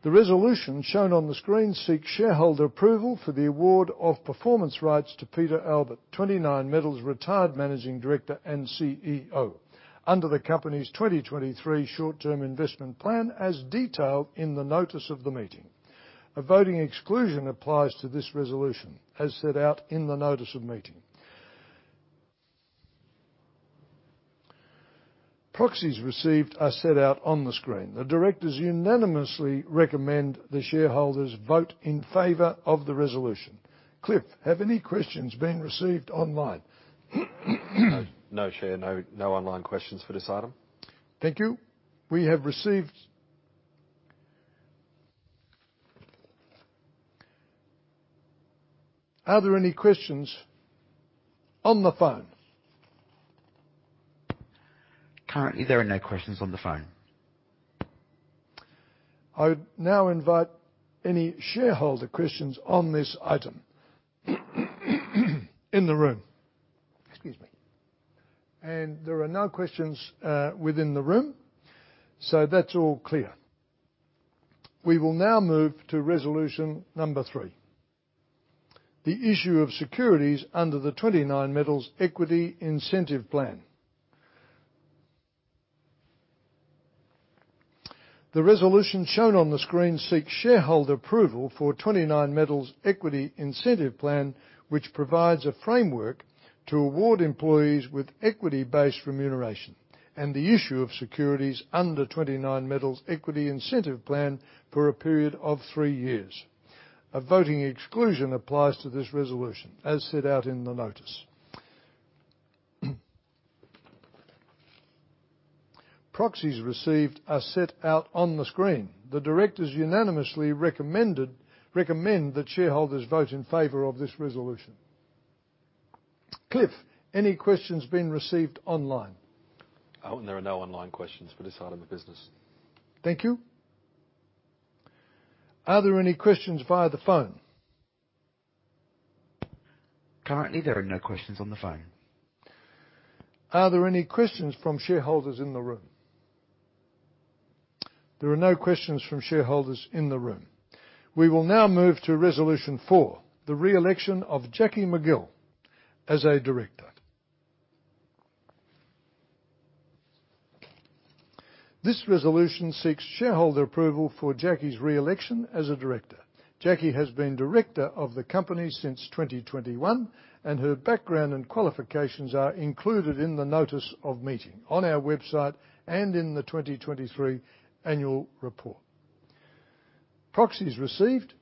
The resolution shown on the screen seeks shareholder approval for the award of performance rights to Peter Albert, 29Metals retired Managing Director and CEO, under the company's 2023 short-term incentive plan, as detailed in the notice of the meeting. A voting exclusion applies to this resolution, as set out in the notice of meeting. Proxies received are set out on the screen. The directors unanimously recommend the shareholders vote in favor of the resolution. Cliff, have any questions been received online? No, Chair. No, no online questions for this item. Thank you. We have received—Are there any questions on the phone? Currently, there are no questions on the phone. I would now invite any shareholder questions on this item, in the room. Excuse me. There are no questions within the room, so that's all clear. We will now move to resolution number three, the issue of securities under the 29Metals Equity Incentive Plan. The resolution shown on the screen seeks shareholder approval for 29Metals Equity Incentive Plan, which provides a framework to award employees with equity-based remuneration and the issue of securities under 29Metals Equity Incentive Plan for a period of three years. A voting exclusion applies to this resolution, as set out in the notice. Proxies received are set out on the screen. The directors unanimously recommended, recommend that shareholders vote in favor of this resolution. Cliff, any questions been received online? Owen, there are no online questions for this item of business. Thank you. Are there any questions via the phone? Currently, there are no questions on the phone. Are there any questions from shareholders in the room? There are no questions from shareholders in the room. We will now move to Resolution four, the re-election of Jaqui McGill as a director. This resolution seeks shareholder approval for Jacqui's re-election as a director. Jacqui has been director of the company since 2021, and her background and qualifications are included in the notice of meeting on our website and in the 2023 annual report. Proxies received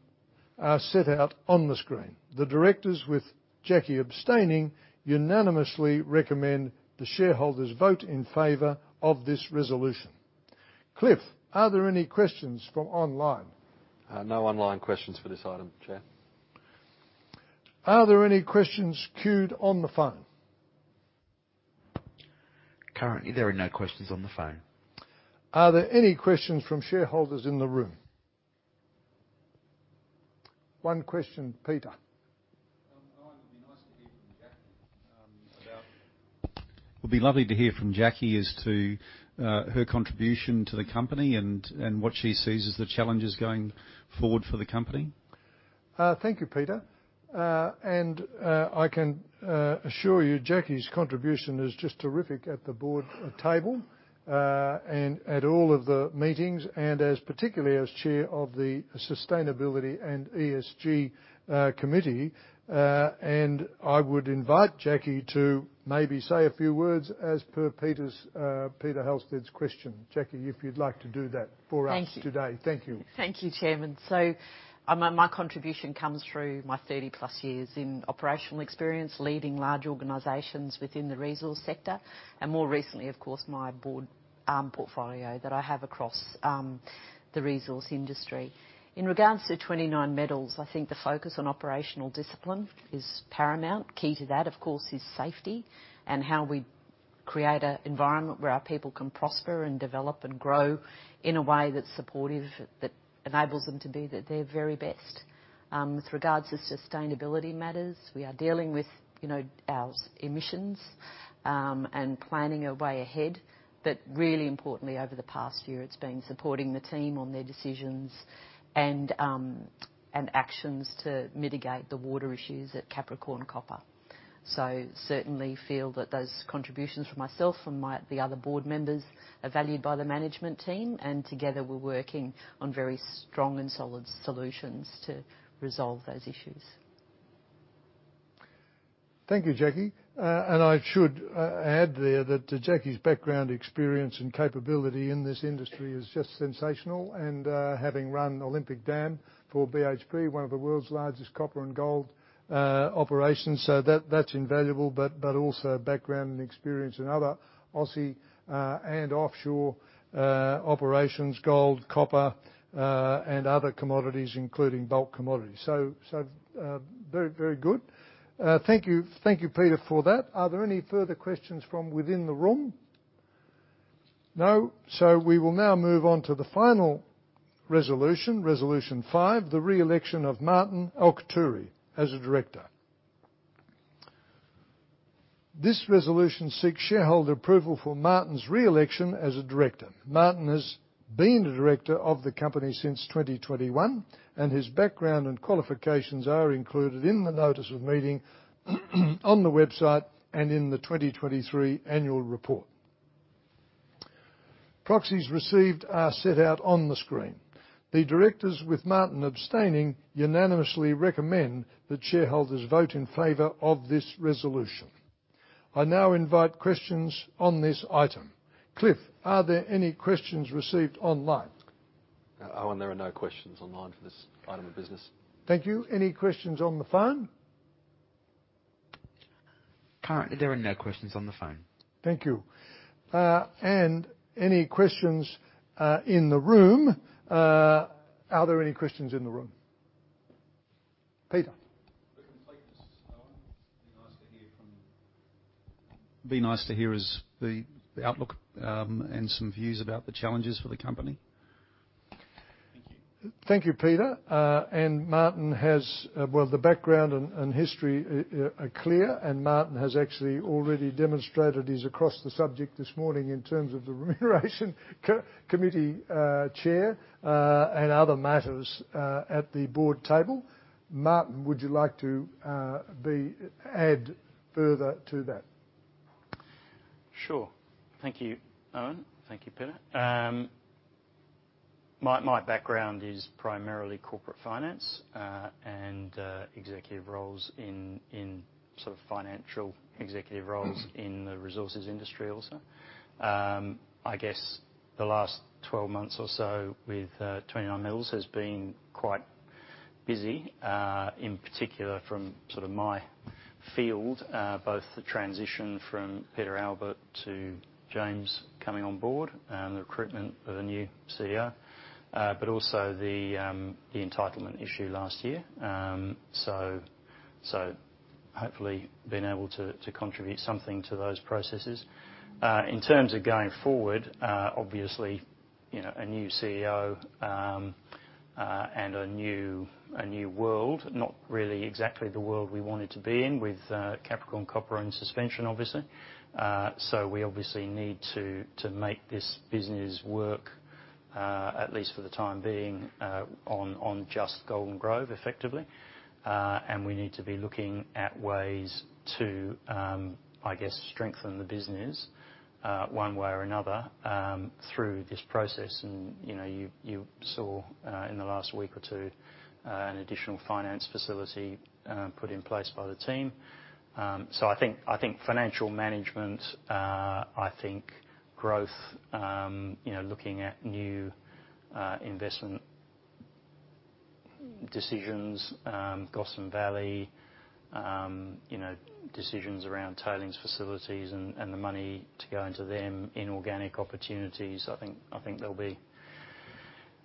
are set out on the screen. The directors, with Jacqui abstaining, unanimously recommend the shareholders vote in favor of this resolution. Cliff, are there any questions from online? No online questions for this item, Chair. Are there any questions queued on the phone? Currently, there are no questions on the phone. Are there any questions from shareholders in the room? One question, Peter. Owen, it would be nice to hear from Jacqui. It would be lovely to hear from Jacqui as to her contribution to the company, and what she sees as the challenges going forward for the company. Thank you, Peter. And, I can assure you, Jacqui's contribution is just terrific at the board table, and at all of the meetings, and as, particularly as chair of the Sustainability and ESG, Committee. And I would invite Jacqui to maybe say a few words as per Peter's, Peter Halstead's question. Jacqui, if you'd like to do that for us today. Thank you. Thank you. Thank you, Chairman. So, my contribution comes through my 30-plus years in operational experience, leading large organizations within the resource sector, and more recently, of course, my board portfolio that I have across the resource industry. In regards to 29Metals, I think the focus on operational discipline is paramount. Key to that, of course, is safety and how we create an environment where our people can prosper and develop and grow in a way that's supportive, that enables them to be at their very best. With regards to sustainability matters, we are dealing with, you know, our emissions and planning our way ahead. But really importantly, over the past year, it's been supporting the team on their decisions and actions to mitigate the water issues at Capricorn Copper. So certainly feel that those contributions from myself and the other board members are valued by the management team, and together, we're working on very strong and solid solutions to resolve those issues. Thank you, Jacqui. And I should add there that Jacqui's background, experience, and capability in this industry is just sensational, and having run Olympic Dam for BHP, one of the world's largest copper and gold operations, so that's invaluable. But also background and experience in other Aussie and offshore operations, gold, copper, and other commodities, including bulk commodities. So, very, very good. Thank you. Thank you, Peter, for that. Are there any further questions from within the room? No. So we will now move on to the final resolution, Resolution Five, the re-election of Martin Alciaturi as a director. This resolution seeks shareholder approval for Martin's re-election as a director. Martin has been a director of the company since 2021, and his background and qualifications are included in the notice of meeting, on the website, and in the 2023 annual report. Proxies received are set out on the screen. The directors, with Martin abstaining, unanimously recommend that shareholders vote in favor of this resolution. I now invite questions on this item. Cliff, are there any questions received online? Owen, there are no questions online for this item of business. Thank you. Any questions on the phone? Currently, there are no questions on the phone. Thank you. Any questions in the room? Are there any questions in the room? Peter. Be nice to hear is the outlook and some views about the challenges for the company. Thank you. Thank you, Peter. And Martin has, well, the background and history are clear, and Martin has actually already demonstrated he's across the subject this morning in terms of the Remuneration Committee Chair, and other matters at the board table. Martin, would you like to add further to that? Sure. Thank you, Owen. Thank you, Peter. My background is primarily corporate finance, and executive roles in sort of financial executive roles in the resources industry also. I guess the last 12 months or so with 29Metals has been quite busy, in particular from sort of my field, both the transition from Peter Albert to James coming on board and the recruitment of a new CEO, but also the entitlement issue last year. So, hopefully been able to contribute something to those processes. In terms of going forward, obviously, you know, a new CEO, and a new world, not really exactly the world we wanted to be in with Capricorn Copper and suspension, obviously. So we obviously need to make this business work, at least for the time being, on just Golden Grove, effectively. And we need to be looking at ways to, I guess, strengthen the business, one way or another, through this process. And, you know, you saw, in the last week or two, an additional finance facility, put in place by the team. So I think, I think financial management, I think growth, you know, looking at new investment decisions, Gossan Valley, you know, decisions around tailings facilities and the money to go into them. Inorganic opportunities, I think, I think there'll be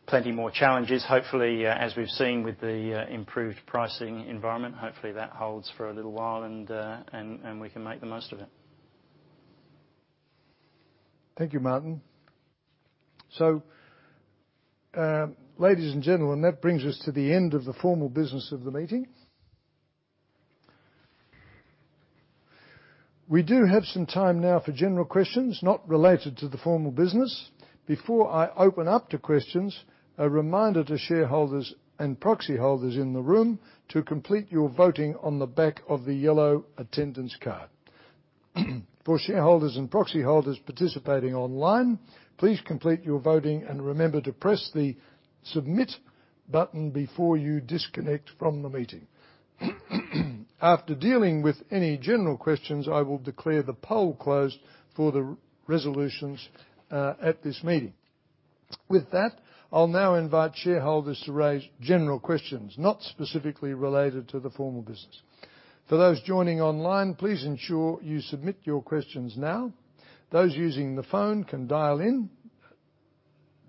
plenty more challenges. Hopefully, as we've seen with the improved pricing environment, hopefully, that holds for a little while, and we can make the most of it. Thank you, Martin. So, ladies and gentlemen, that brings us to the end of the formal business of the meeting. We do have some time now for general questions, not related to the formal business. Before I open up to questions, a reminder to shareholders and proxy holders in the room to complete your voting on the back of the yellow attendance card. For shareholders and proxy holders participating online, please complete your voting, and remember to press the submit button before you disconnect from the meeting. After dealing with any general questions, I will declare the poll closed for the resolutions, at this meeting. With that, I'll now invite shareholders to raise general questions, not specifically related to the formal business. For those joining online, please ensure you submit your questions now. Those using the phone can dial in.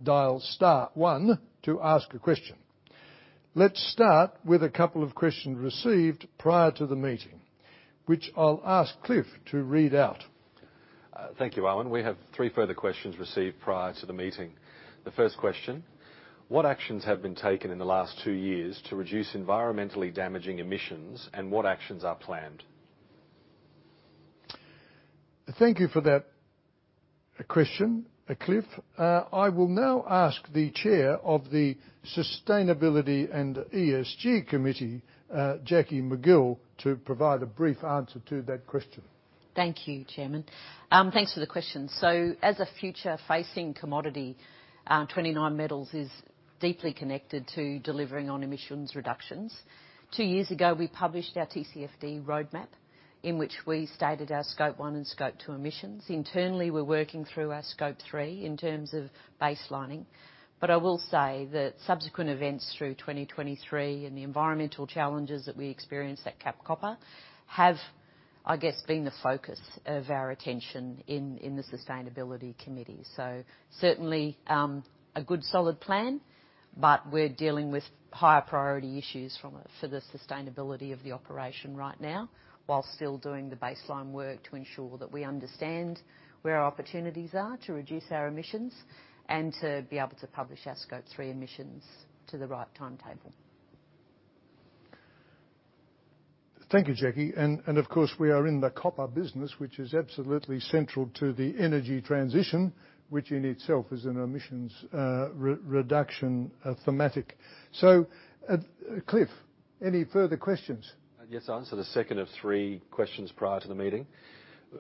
Dial star one to ask a question. Let's start with a couple of questions received prior to the meeting, which I'll ask Cliff to read out. Thank you, Owen. We have three further questions received prior to the meeting. The first question: What actions have been taken in the last two years to reduce environmentally damaging emissions, and what actions are planned? Thank you for that question, Cliff. I will now ask the Chair of the Sustainability and ESG Committee, Jacqui McGill, to provide a brief answer to that question. Thank you, Chairman. Thanks for the question. So as a future-facing commodity, 29Metals is deeply connected to delivering on emissions reductions. Two years ago, we published our TCFD roadmap, in which we stated our Scope 1 and Scope 2 emissions. Internally, we're working through our Scope 3 in terms of baselining. But I will say that subsequent events through 2023 and the environmental challenges that we experienced at Cap Copper have, I guess, been the focus of our attention in the sustainability committee. So certainly, a good solid plan, but we're dealing with higher priority issues for the sustainability of the operation right now, while still doing the baseline work to ensure that we understand where our opportunities are to reduce our emissions and to be able to publish our Scope 3 emissions to the right timetable. Thank you, Jacqui. And of course, we are in the copper business, which is absolutely central to the energy transition, which in itself is an emissions reduction thematic. So, Cliff, any further questions? Yes, I'll answer the second of three questions prior to the meeting.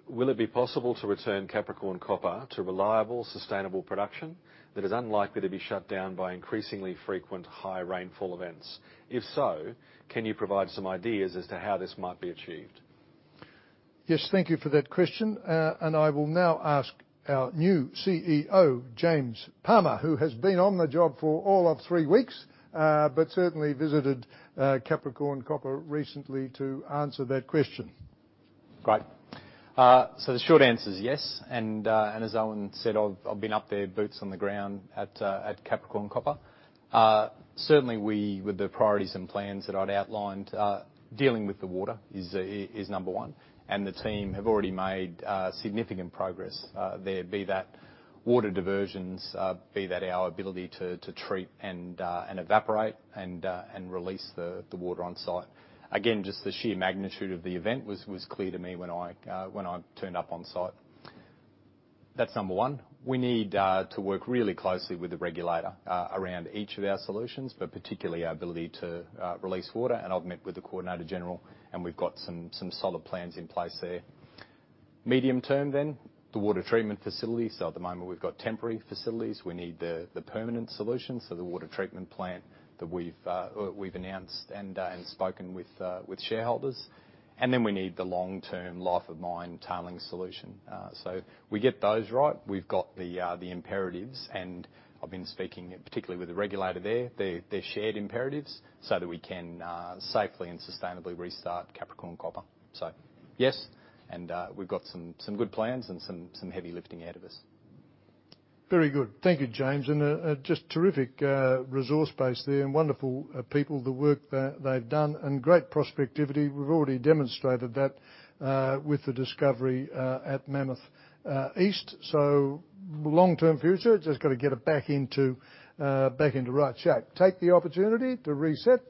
Will it be possible to return Capricorn Copper to reliable, sustainable production that is unlikely to be shut down by increasingly frequent high rainfall events? If so, can you provide some ideas as to how this might be achieved? Yes, thank you for that question. I will now ask our new CEO, James Palmer, who has been on the job for all of three weeks, but certainly visited Capricorn Copper recently to answer that question. Great. So the short answer is yes, and as Owen said, I've been up there, boots on the ground at Capricorn Copper. Certainly we, with the priorities and plans that I'd outlined, dealing with the water is number one, and the team have already made significant progress. There, be that water diversions, be that our ability to treat and evaporate and release the water on site. Again, just the sheer magnitude of the event was clear to me when I turned up on site. That's number one. We need to work really closely with the regulator around each of our solutions, but particularly our ability to release water, and I've met with the Coordinator-General, and we've got some solid plans in place there. Medium term then, the water treatment facility. So at the moment, we've got temporary facilities. We need the permanent solution, so the water treatment plant that we've announced and spoken with shareholders, and then we need the long-term life of mine tailing solution. So we get those right. We've got the imperatives, and I've been speaking, particularly with the regulator there, their shared imperatives, so that we can safely and sustainably restart Capricorn Copper. So yes, and we've got some good plans and some heavy lifting out of us. Very good. Thank you, James. And a just terrific resource base there and wonderful people, the work that they've done, and great prospectivity. We've already demonstrated that with the discovery at Mammoth East. So long-term future, just got to get it back into right shape. Take the opportunity to reset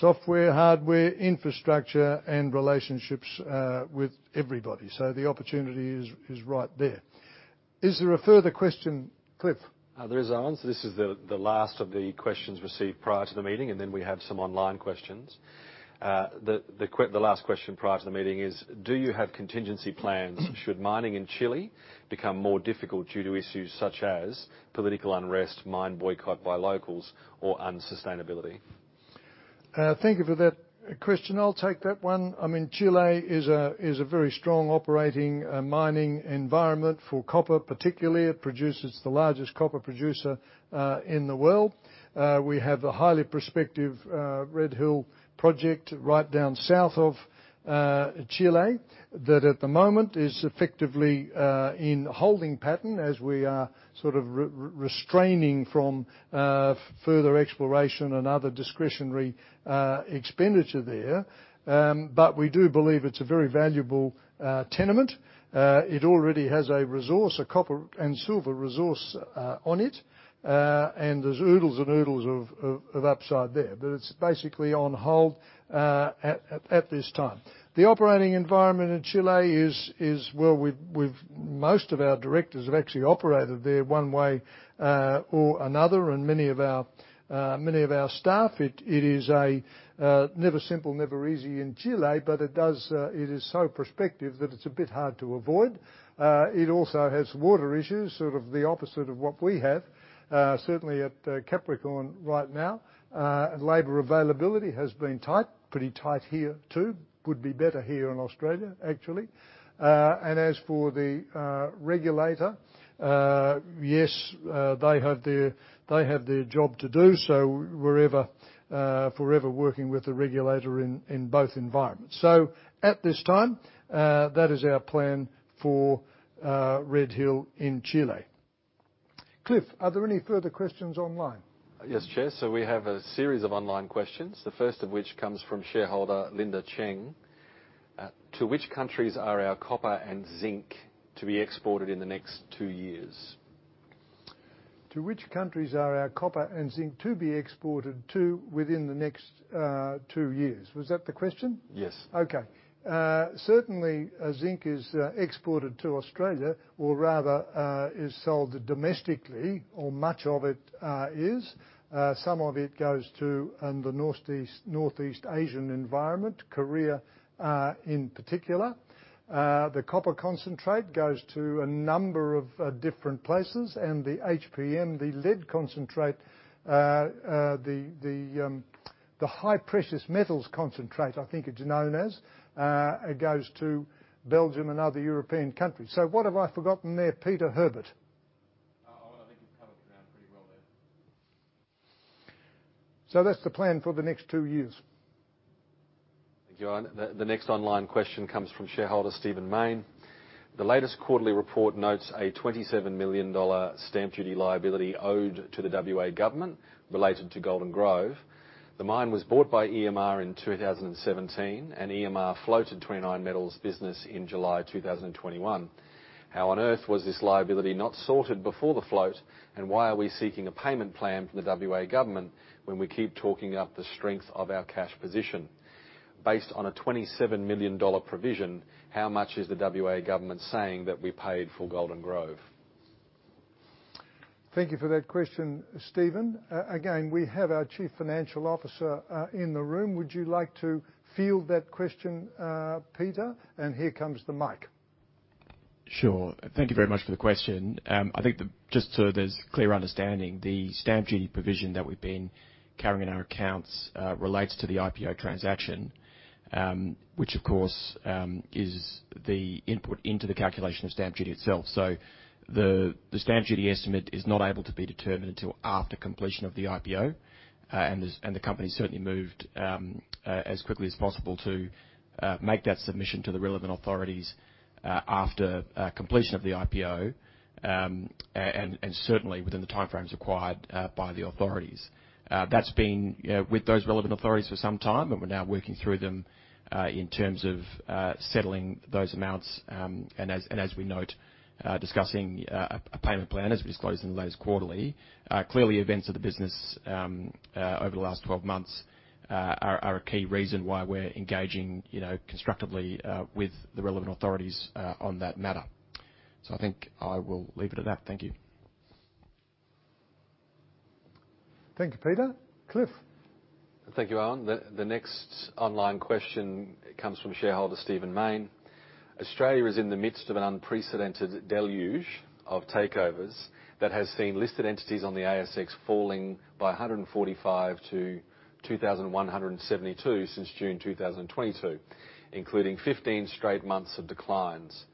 software, hardware, infrastructure, and relationships with everybody. So the opportunity is right there. Is there a further question, Cliff? There is, Owen. This is the last of the questions received prior to the meeting, and then we have some online questions. The last question prior to the meeting is, do you have contingency plans should mining in Chile become more difficult due to issues such as political unrest, mine boycott by locals or unsustainability? Thank you for that question. I'll take that one. I mean, Chile is a very strong operating mining environment for copper, particularly. It produces the largest copper producer in the world. We have a highly prospective Redhill project right down south of Chile, that at the moment is effectively in holding pattern as we are sort of refraining from further exploration and other discretionary expenditure there. But we do believe it's a very valuable tenement. It already has a resource, a copper and silver resource on it. And there's oodles and oodles of upside there, but it's basically on hold at this time. The operating environment in Chile is where we've. Most of our directors have actually operated there one way or another, and many of our staff. It is never simple, never easy in Chile, but it does, it is so prospective that it's a bit hard to avoid. It also has water issues, sort of the opposite of what we have, certainly at Capricorn right now. Labor availability has been tight. Pretty tight here, too. Would be better here in Australia, actually. And as for the regulator, yes, they have their job to do, so we're forever working with the regulator in both environments. So at this time, that is our plan for Redhill in Chile. Cliff, are there any further questions online? Yes, Chair. So we have a series of online questions, the first of which comes from shareholder Linda Cheng. To which countries are our copper and zinc to be exported in the next two years? To which countries are our copper and zinc to be exported to within the next two years? Was that the question? Yes. Okay. Certainly, zinc is exported to Australia, or rather, is sold domestically or much of it is. Some of it goes to the Northeast Asian environment, Korea, in particular. The copper concentrate goes to a number of different places, and the HPM, the lead concentrate, the high-precious metals concentrate, I think it's known as, it goes to Belgium and other European countries. So what have I forgotten there, Peter Herbert? Well, I think you've covered it around pretty well there. That's the plan for the next two years. Thank you, Owen. The next online question comes from shareholder Stephen Mayne. The latest quarterly report notes an 27 million dollar stamp duty liability owed to the WA government related to Golden Grove. The mine was bought by EMR in 2017, and EMR floated 29Metals business in July 2021. How on earth was this liability not sorted before the float, and why are we seeking a payment plan from the WA government when we keep talking up the strength of our cash position? Based on an 27 million dollar provision, how much is the WA government saying that we paid for Golden Grove? Thank you for that question, Steven. Again, we have our Chief Financial Officer in the room. Would you like to field that question, Peter? Here comes the mic. Sure. Thank you very much for the question. I think the, just so there's clear understanding, the stamp duty provision that we've been carrying in our accounts relates to the IPO transaction, which, of course, is the input into the calculation of stamp duty itself. So the stamp duty estimate is not able to be determined until after completion of the IPO. And the company certainly moved as quickly as possible to make that submission to the relevant authorities after completion of the IPO, and certainly within the timeframes required by the authorities. That's been with those relevant authorities for some time, and we're now working through them in terms of settling those amounts, and as we note, discussing a payment plan, as we disclosed in the latest quarterly. Clearly, events of the business over the last 12 months are a key reason why we're engaging, you know, constructively with the relevant authorities on that matter. So I think I will leave it at that. Thank you. Thank you, Peter. Cliff? Thank you, Owen. The next online question comes from shareholder Stephen Mayne. Australia is in the midst of an unprecedented deluge of takeovers that has seen listed entities on the ASX falling by 145-2,172 since June 2022, including 15 straight months of declines.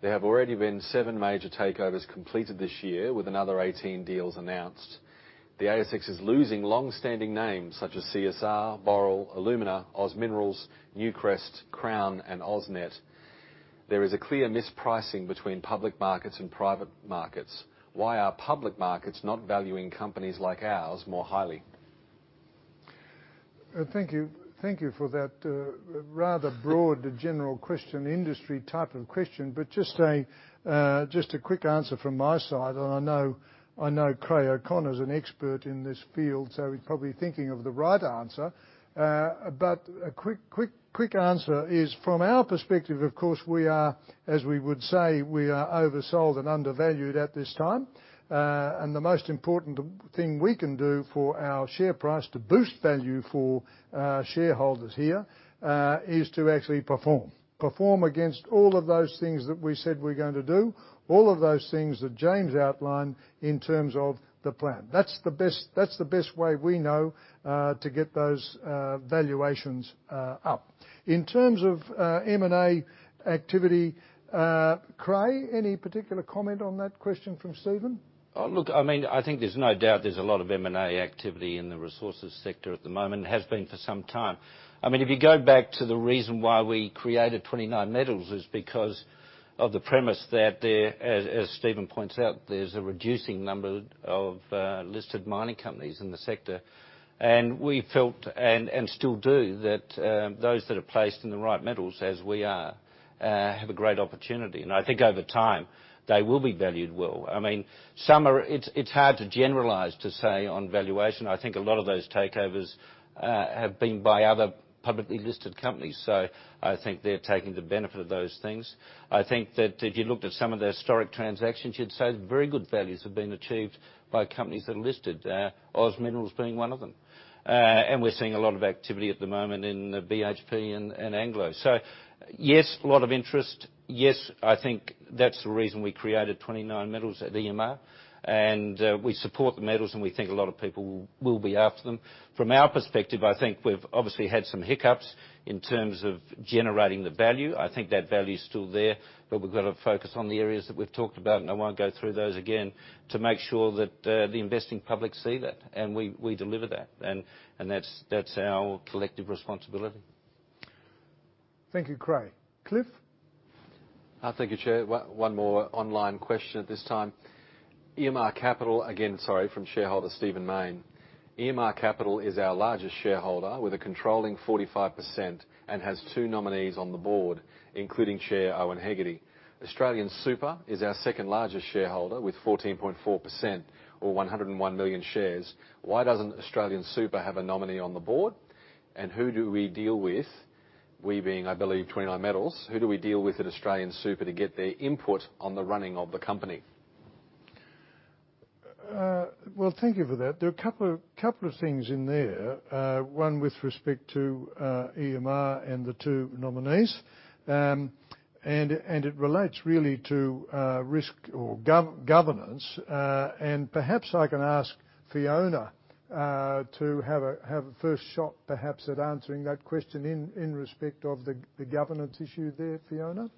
There have already been 7 major takeovers completed this year, with another 18 deals announced. The ASX is losing long-standing names such as CSR, Boral, Alumina, OZ Minerals, Newcrest, Crown, and AusNet. There is a clear mispricing between public markets and private markets. Why are public markets not valuing companies like ours more highly? Thank you. Thank you for that, rather broad general question, industry type of question. But just a, just a quick answer from my side, and I know, I know Creagh O'Connor is an expert in this field, so he's probably thinking of the right answer. But a quick, quick, quick answer is, from our perspective, of course, we are, as we would say, we are oversold and undervalued at this time. And the most important thing we can do for our share price to boost value for, shareholders here, is to actually perform. Perform against all of those things that we said we're going to do, all of those things that James outlined in terms of the plan. That's the best, that's the best way we know, to get those, valuations, up. In terms of M&A activity, Creagh, any particular comment on that question from Stephen? Oh, look, I mean, I think there's no doubt there's a lot of M&A activity in the resources sector at the moment, and has been for some time. I mean, if you go back to the reason why we created 29Metals, is because of the premise that there, as Stephen points out, there's a reducing number of listed mining companies in the sector. And we felt, and still do, that those that are placed in the right metals, as we are, have a great opportunity. And I think over time, they will be valued well. I mean, some are. It's hard to generalize, to say, on valuation. I think a lot of those takeovers have been by other publicly listed companies, so I think they're taking the benefit of those things. I think that if you looked at some of the historic transactions, you'd say very good values have been achieved by companies that are listed, OZ Minerals being one of them. And we're seeing a lot of activity at the moment in BHP and Anglo. So yes, a lot of interest. Yes, I think that's the reason we created 29Metals at EMR, and we support the metals, and we think a lot of people will be after them. From our perspective, I think we've obviously had some hiccups in terms of generating the value. I think that value is still there, but we've got to focus on the areas that we've talked about, and I won't go through those again, to make sure that the investing public see that, and we deliver that. And that's our collective responsibility. Thank you, Creagh. Cliff? Thank you, Chair. One more online question at this time. EMR Capital, again, sorry, from shareholder Stephen Mayne. EMR Capital is our largest shareholder with a controlling 45% and has two nominees on the board, including Chair Owen Hegarty. AustralianSuper is our second largest shareholder, with 14.4%, or 101 million shares. Why doesn't AustralianSuper have a nominee on the board? And who do we deal with, we being, I believe, 29Metals, who do we deal with at AustralianSuper to get their input on the running of the company? Well, thank you for that. There are a couple of things in there. One with respect to EMR and the two nominees. And it relates really to risk or governance. And perhaps I can ask Fiona to have a first shot, perhaps, at answering that question in respect of the governance issue there, Fiona?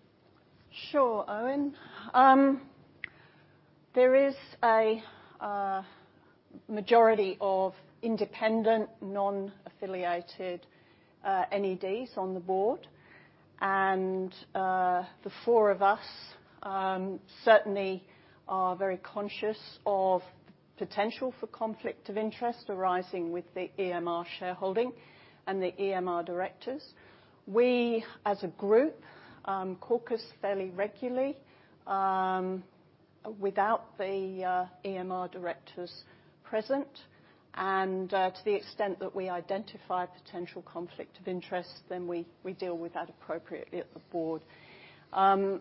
Sure, Owen. There is a majority of independent, non-affiliated NEDs on the board, and the four of us certainly are very conscious of potential for conflict of interest arising with the EMR shareholding and the EMR directors. We, as a group, caucus fairly regularly without the EMR directors present. And to the extent that we identify potential conflict of interest, then we deal with that appropriately at the board.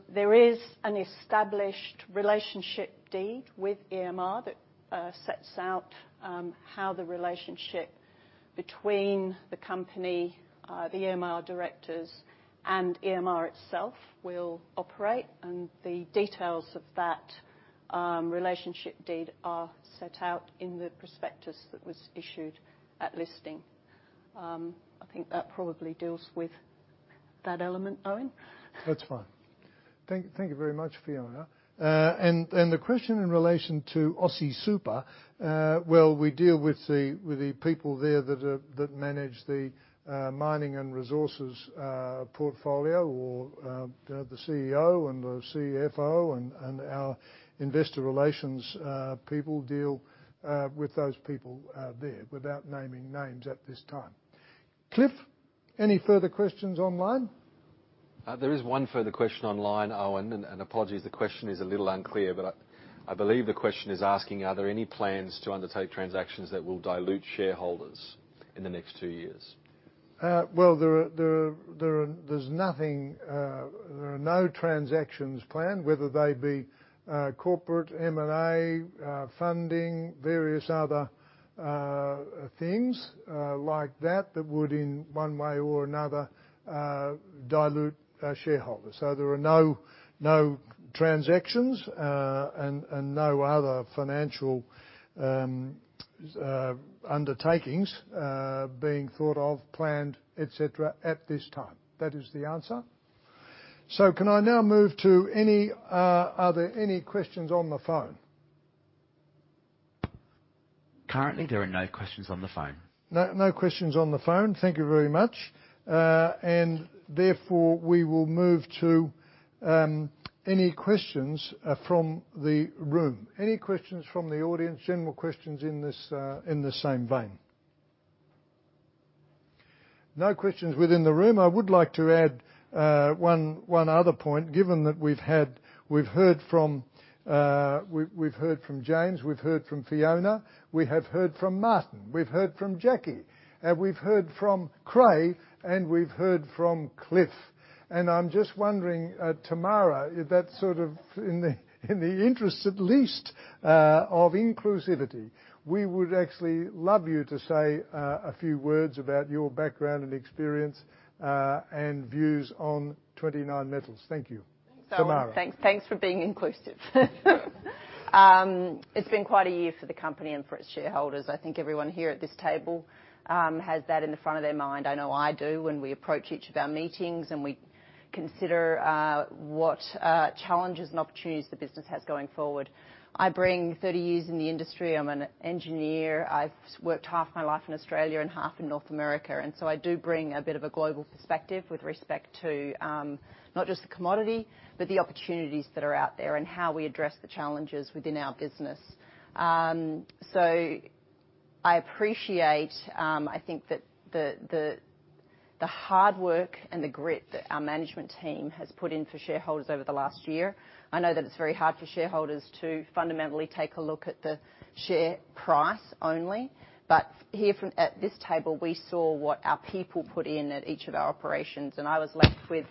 There is an established relationship deed with EMR that sets out how the relationship between the company, the EMR directors and EMR itself will operate, and the details of that relationship deed are set out in the prospectus that was issued at listing. I think that probably deals with that element, Owen. That's fine. Thank you very much, Fiona. And the question in relation to AustralianSuper, well, we deal with the people there that manage the mining and resources portfolio, or the CEO and the CFO and our investor relations people deal with those people there, without naming names at this time. Cliff, any further questions online? There is one further question online, Owen, and apologies, the question is a little unclear, but I believe the question is asking: are there any plans to undertake transactions that will dilute shareholders in the next two years? Well, there are no transactions planned, whether they be corporate, M&A, funding, various other things like that, that would in one way or another dilute our shareholders. So there are no transactions and no other financial undertakings being thought of, planned, et cetera, at this time. That is the answer. So, can I now move to any, are there any questions on the phone? Currently, there are no questions on the phone. No, no questions on the phone. Thank you very much. And therefore, we will move to any questions from the room. Any questions from the audience? General questions in this, in the same vein. No questions within the room. I would like to add one other point, given that we've heard from James, we've heard from Fiona, we have heard from Martin, we've heard from Jacqui, we've heard from Creagh, and we've heard from Cliff. And I'm just wondering, Tamara, if that sort of in the, in the interest at least of inclusivity, we would actually love you to say a few words about your background and experience and views on 29Metals. Thank you. Tamara. Thanks. Thanks for being inclusive. It's been quite a year for the company and for its shareholders. I think everyone here at this table has that in the front of their mind. I know I do when we approach each of our meetings, and we consider what challenges and opportunities the business has going forward. I bring 30 years in the industry. I'm an engineer. I've worked half my life in Australia and half in North America, and so I do bring a bit of a global perspective with respect to not just the commodity, but the opportunities that are out there and how we address the challenges within our business. So I appreciate I think that the hard work and the grit that our management team has put in for shareholders over the last year. I know that it's very hard for shareholders to fundamentally take a look at the share price only, but here from, at this table, we saw what our people put in at each of our operations, and I was left with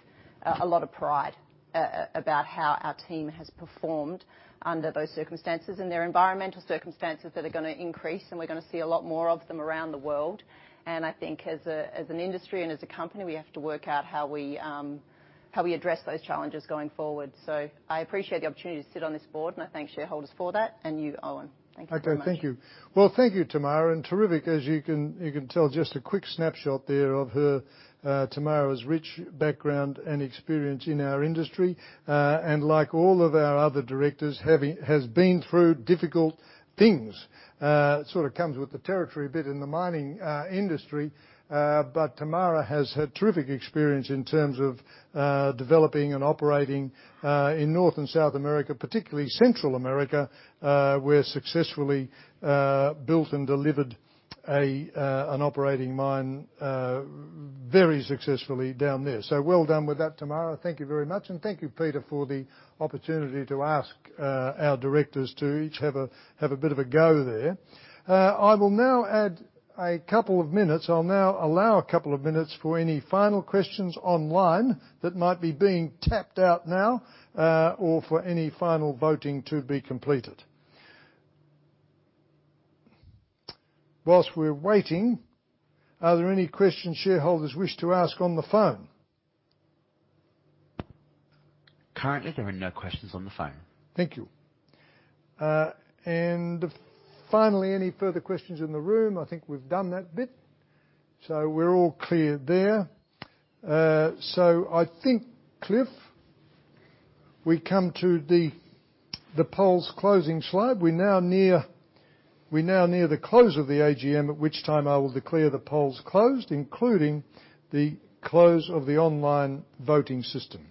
a lot of pride about how our team has performed under those circumstances. And they're environmental circumstances that are gonna increase, and we're gonna see a lot more of them around the world. And I think as an industry and as a company, we have to work out how we, how we address those challenges going forward. So I appreciate the opportunity to sit on this board, and I thank shareholders for that, and you, Owen. Thank you very much. Okay, thank you. Well, thank you, Tamara, and terrific, as you can, you can tell, just a quick snapshot there of her, Tamara's rich background and experience in our industry. And like all of our other directors, has been through difficult things. Sort of comes with the territory a bit in the mining industry. But Tamara has had terrific experience in terms of developing and operating in North and South America, particularly Central America, where successfully built and delivered an operating mine very successfully down there. So well done with that, Tamara. Thank you very much, and thank you, Peter, for the opportunity to ask our directors to each have a bit of a go there. I will now add a couple of minutes. I'll now allow a couple of minutes for any final questions online that might be being tapped out now, or for any final voting to be completed. While we're waiting, are there any questions shareholders wish to ask on the phone? Currently, there are no questions on the phone. Thank you. And finally, any further questions in the room? I think we've done that bit, so we're all clear there. So I think, Cliff, we come to the polls closing slide. We're now near the close of the AGM, at which time I will declare the polls closed, including the close of the online voting system.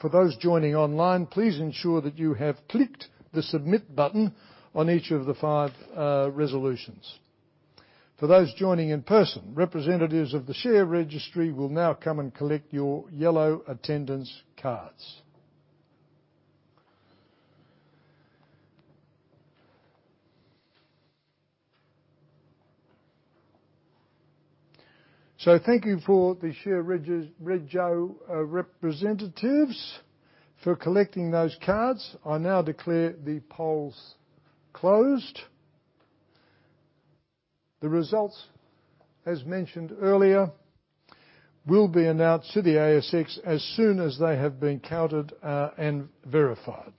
For those joining online, please ensure that you have clicked the Submit button on each of the five resolutions. For those joining in person, representatives of the share registry will now come and collect your yellow attendance cards. So thank you for the share registry representatives for collecting those cards. I now declare the polls closed. The results, as mentioned earlier, will be announced to the ASX as soon as they have been counted and verified.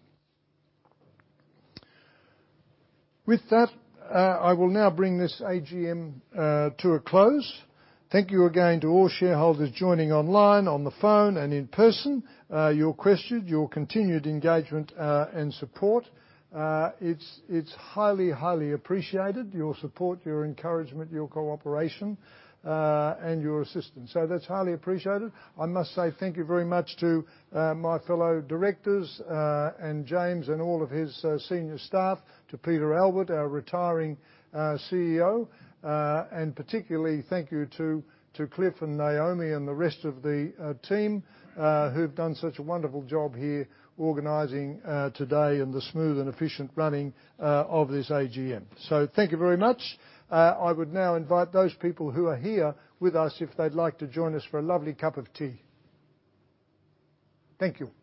With that, I will now bring this AGM to a close. Thank you again to all shareholders joining online, on the phone, and in person. Your questions, your continued engagement, and support, it's, it's highly, highly appreciated, your support, your encouragement, your cooperation, and your assistance. So that's highly appreciated. I must say thank you very much to my fellow directors, and James and all of his senior staff, to Peter Albert, our retiring CEO, and particularly thank you to Cliff and Naomi and the rest of the team, who've done such a wonderful job here organizing today and the smooth and efficient running of this AGM. So thank you very much. I would now invite those people who are here with us if they'd like to join us for a lovely cup of tea. Thank you.